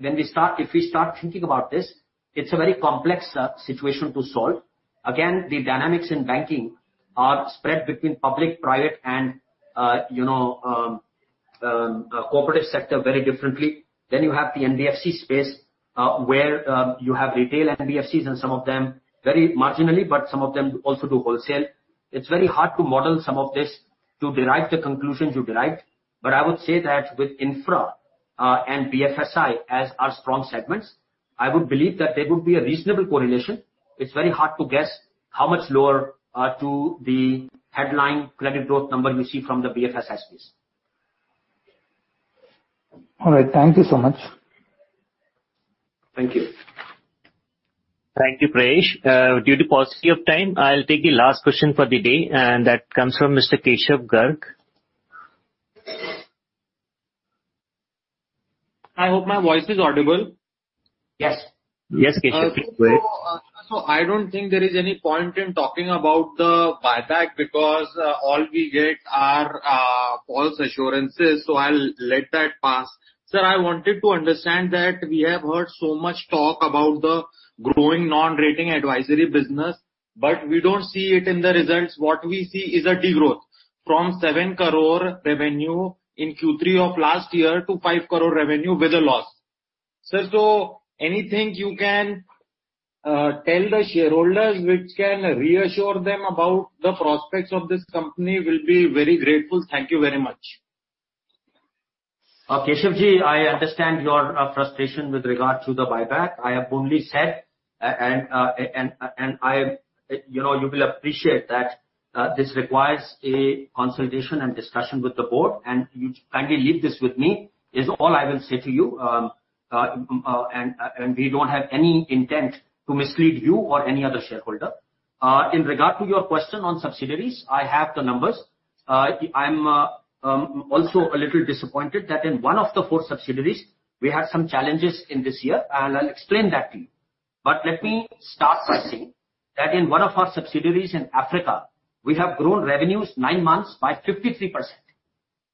S2: when we start, if we start thinking about this, it's a very complex situation to solve. Again, the dynamics in banking are spread between public, private and, you know, cooperative sector very differently. You have the NBFC space, where, you have retail NBFCs and some of them very marginally, but some of them also do wholesale. It's very hard to model some of this to derive the conclusions you derive. I would say that with infra and BFSI as our strong segments, I would believe that there would be a reasonable correlation. It's very hard to guess how much lower, to the headline credit growth number we see from the BFS space.
S12: All right. Thank you so much.
S2: Thank you.
S3: Thank you, Paresh. Due to paucity of time, I'll take the last question for the day, and that comes from Mr. Keshav Garg.
S13: I hope my voice is audible.
S2: Yes.
S3: Yes, Keshav. Please go ahead.
S13: I don't think there is any point in talking about the buyback because all we get are false assurances. I'll let that pass. Sir, I wanted to understand that we have heard so much talk about the growing non-rating advisory business, but we don't see it in the results. What we see is a degrowth from 7 crore revenue in Q3 of last year to 5 crore revenue with a loss. Sir, anything you can tell the shareholders which can reassure them about the prospects of this company, we will be very grateful. Thank you very much.
S2: Keshav, I understand your frustration with regard to the buyback. I have only said, and I, you know, you will appreciate that this requires a consultation and discussion with the board and you kindly leave this with me, is all I will say to you. We don't have any intent to mislead you or any other shareholder. In regard to your question on subsidiaries, I have the numbers. I'm also a little disappointed that in one of the four subsidiaries we had some challenges in this year, and I'll explain that to you. Let me start by saying that in one of our subsidiaries in Africa, we have grown revenues nine months by 53%.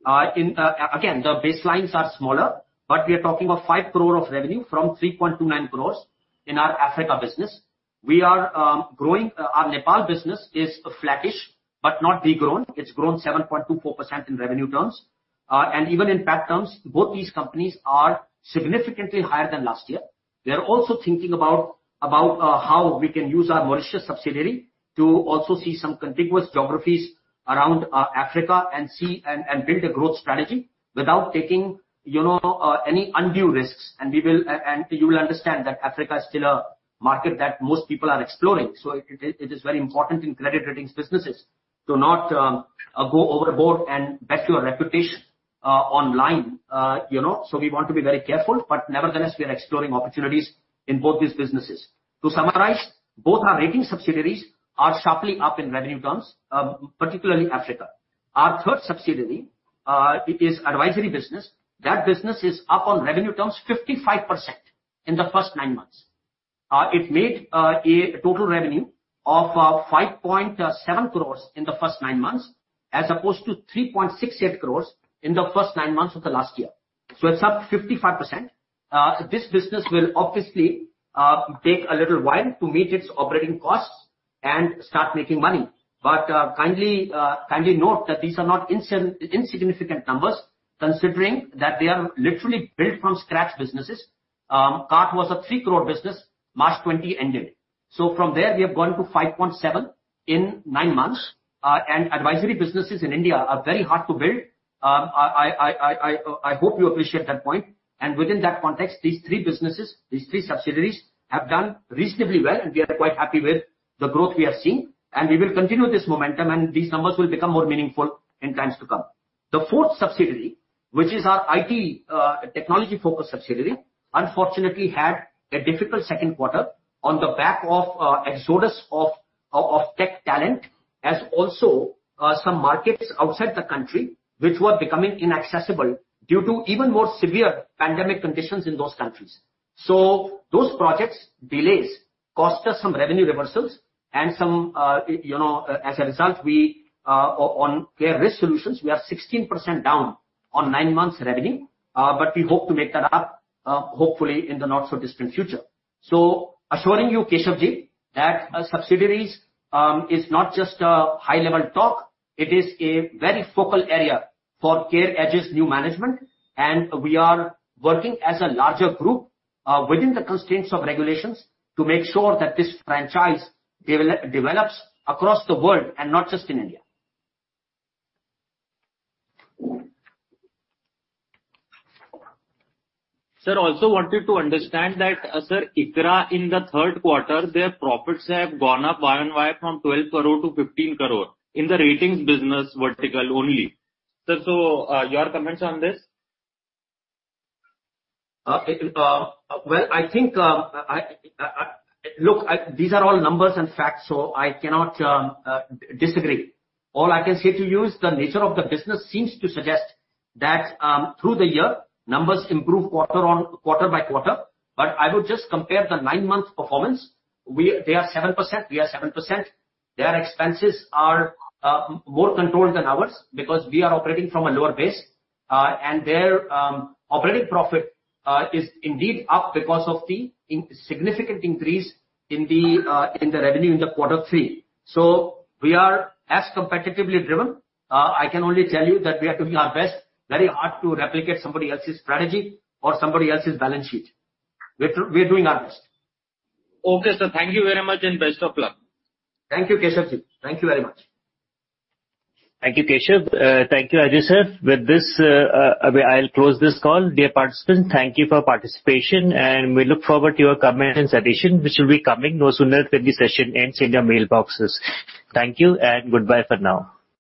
S2: Again, the baselines are smaller, but we are talking of 5 crore of revenue from 3.29 crores in our Africa business. We are growing. Our Nepal business is flattish but not de-grown. It's grown 7.24% in revenue terms. Even in PAT terms, both these companies are significantly higher than last year. We are also thinking about how we can use our Mauritius subsidiary to also see some contiguous geographies around Africa and see and build a growth strategy without taking, you know, any undue risks. We will, and you will understand that Africa is still a market that most people are exploring, so it is very important in credit ratings businesses to not go overboard and bet your reputation online, you know. We want to be very careful, but nevertheless, we are exploring opportunities in both these businesses. To summarize, both our rating subsidiaries are sharply up in revenue terms, particularly Africa. Our third subsidiary is advisory business. That business is up on revenue terms 55% in the first nine months. It made a total revenue of 5.7 crores in the first nine months, as opposed to 3.68 crores in the first nine months of the last year, so it's up 55%. This business will obviously take a little while to meet its operating costs and start making money. Kindly note that these are not insignificant numbers considering that they are literally built from scratch businesses. CART was a 3 crore business March 2020 ended. From there, we have gone to 5.7 in nine months. Advisory businesses in India are very hard to build. I hope you appreciate that point. Within that context, these three businesses, these three subsidiaries have done reasonably well, and we are quite happy with the growth we are seeing. We will continue this momentum, and these numbers will become more meaningful in times to come. The fourth subsidiary, which is our IT, technology-focused subsidiary, unfortunately had a difficult second quarter on the back of exodus of tech talent, as also some markets outside the country which were becoming inaccessible due to even more severe pandemic conditions in those countries. Those projects delays cost us some revenue reversals and some you know, as a result, we on CARE Risk Solutions, we are 16% down on nine months revenue, but we hope to make that up, hopefully in the not so distant future. Assuring you, Keshav, that subsidiaries is not just a high level talk. It is a very focal area for CAREEDGE's new management, and we are working as a larger group, within the constraints of regulations to make sure that this franchise develops across the world and not just in India.
S13: Sir, also wanted to understand that, sir, ICRA in the third quarter, their profits have gone up year-on-year from 12 crore to 15 crore in the ratings business vertical only. Sir, so, your comments on this?
S2: Look, I, these are all numbers and facts, so I cannot disagree. All I can say to you is the nature of the business seems to suggest that, through the year, numbers improve quarter on quarter by quarter. I would just compare the nine-month performance. They are 7%. We are 7%. Their expenses are more controlled than ours because we are operating from a lower base. Their operating profit is indeed up because of the insignificant increase in the revenue in the quarter three. We are as competitively driven. I can only tell you that we are doing our best very hard to replicate somebody else's strategy or somebody else's balance sheet. We're doing our best.
S13: Okay, sir. Thank you very much and best of luck.
S2: Thank you, Keshav. Thank you very much.
S3: Thank you, Keshav. Thank you, Ajay, sir. With this, I'll close this call. Dear participants, thank you for participation, and we look forward to your comments and additions which will be coming no sooner than the session ends in your mailboxes. Thank you and goodbye for now.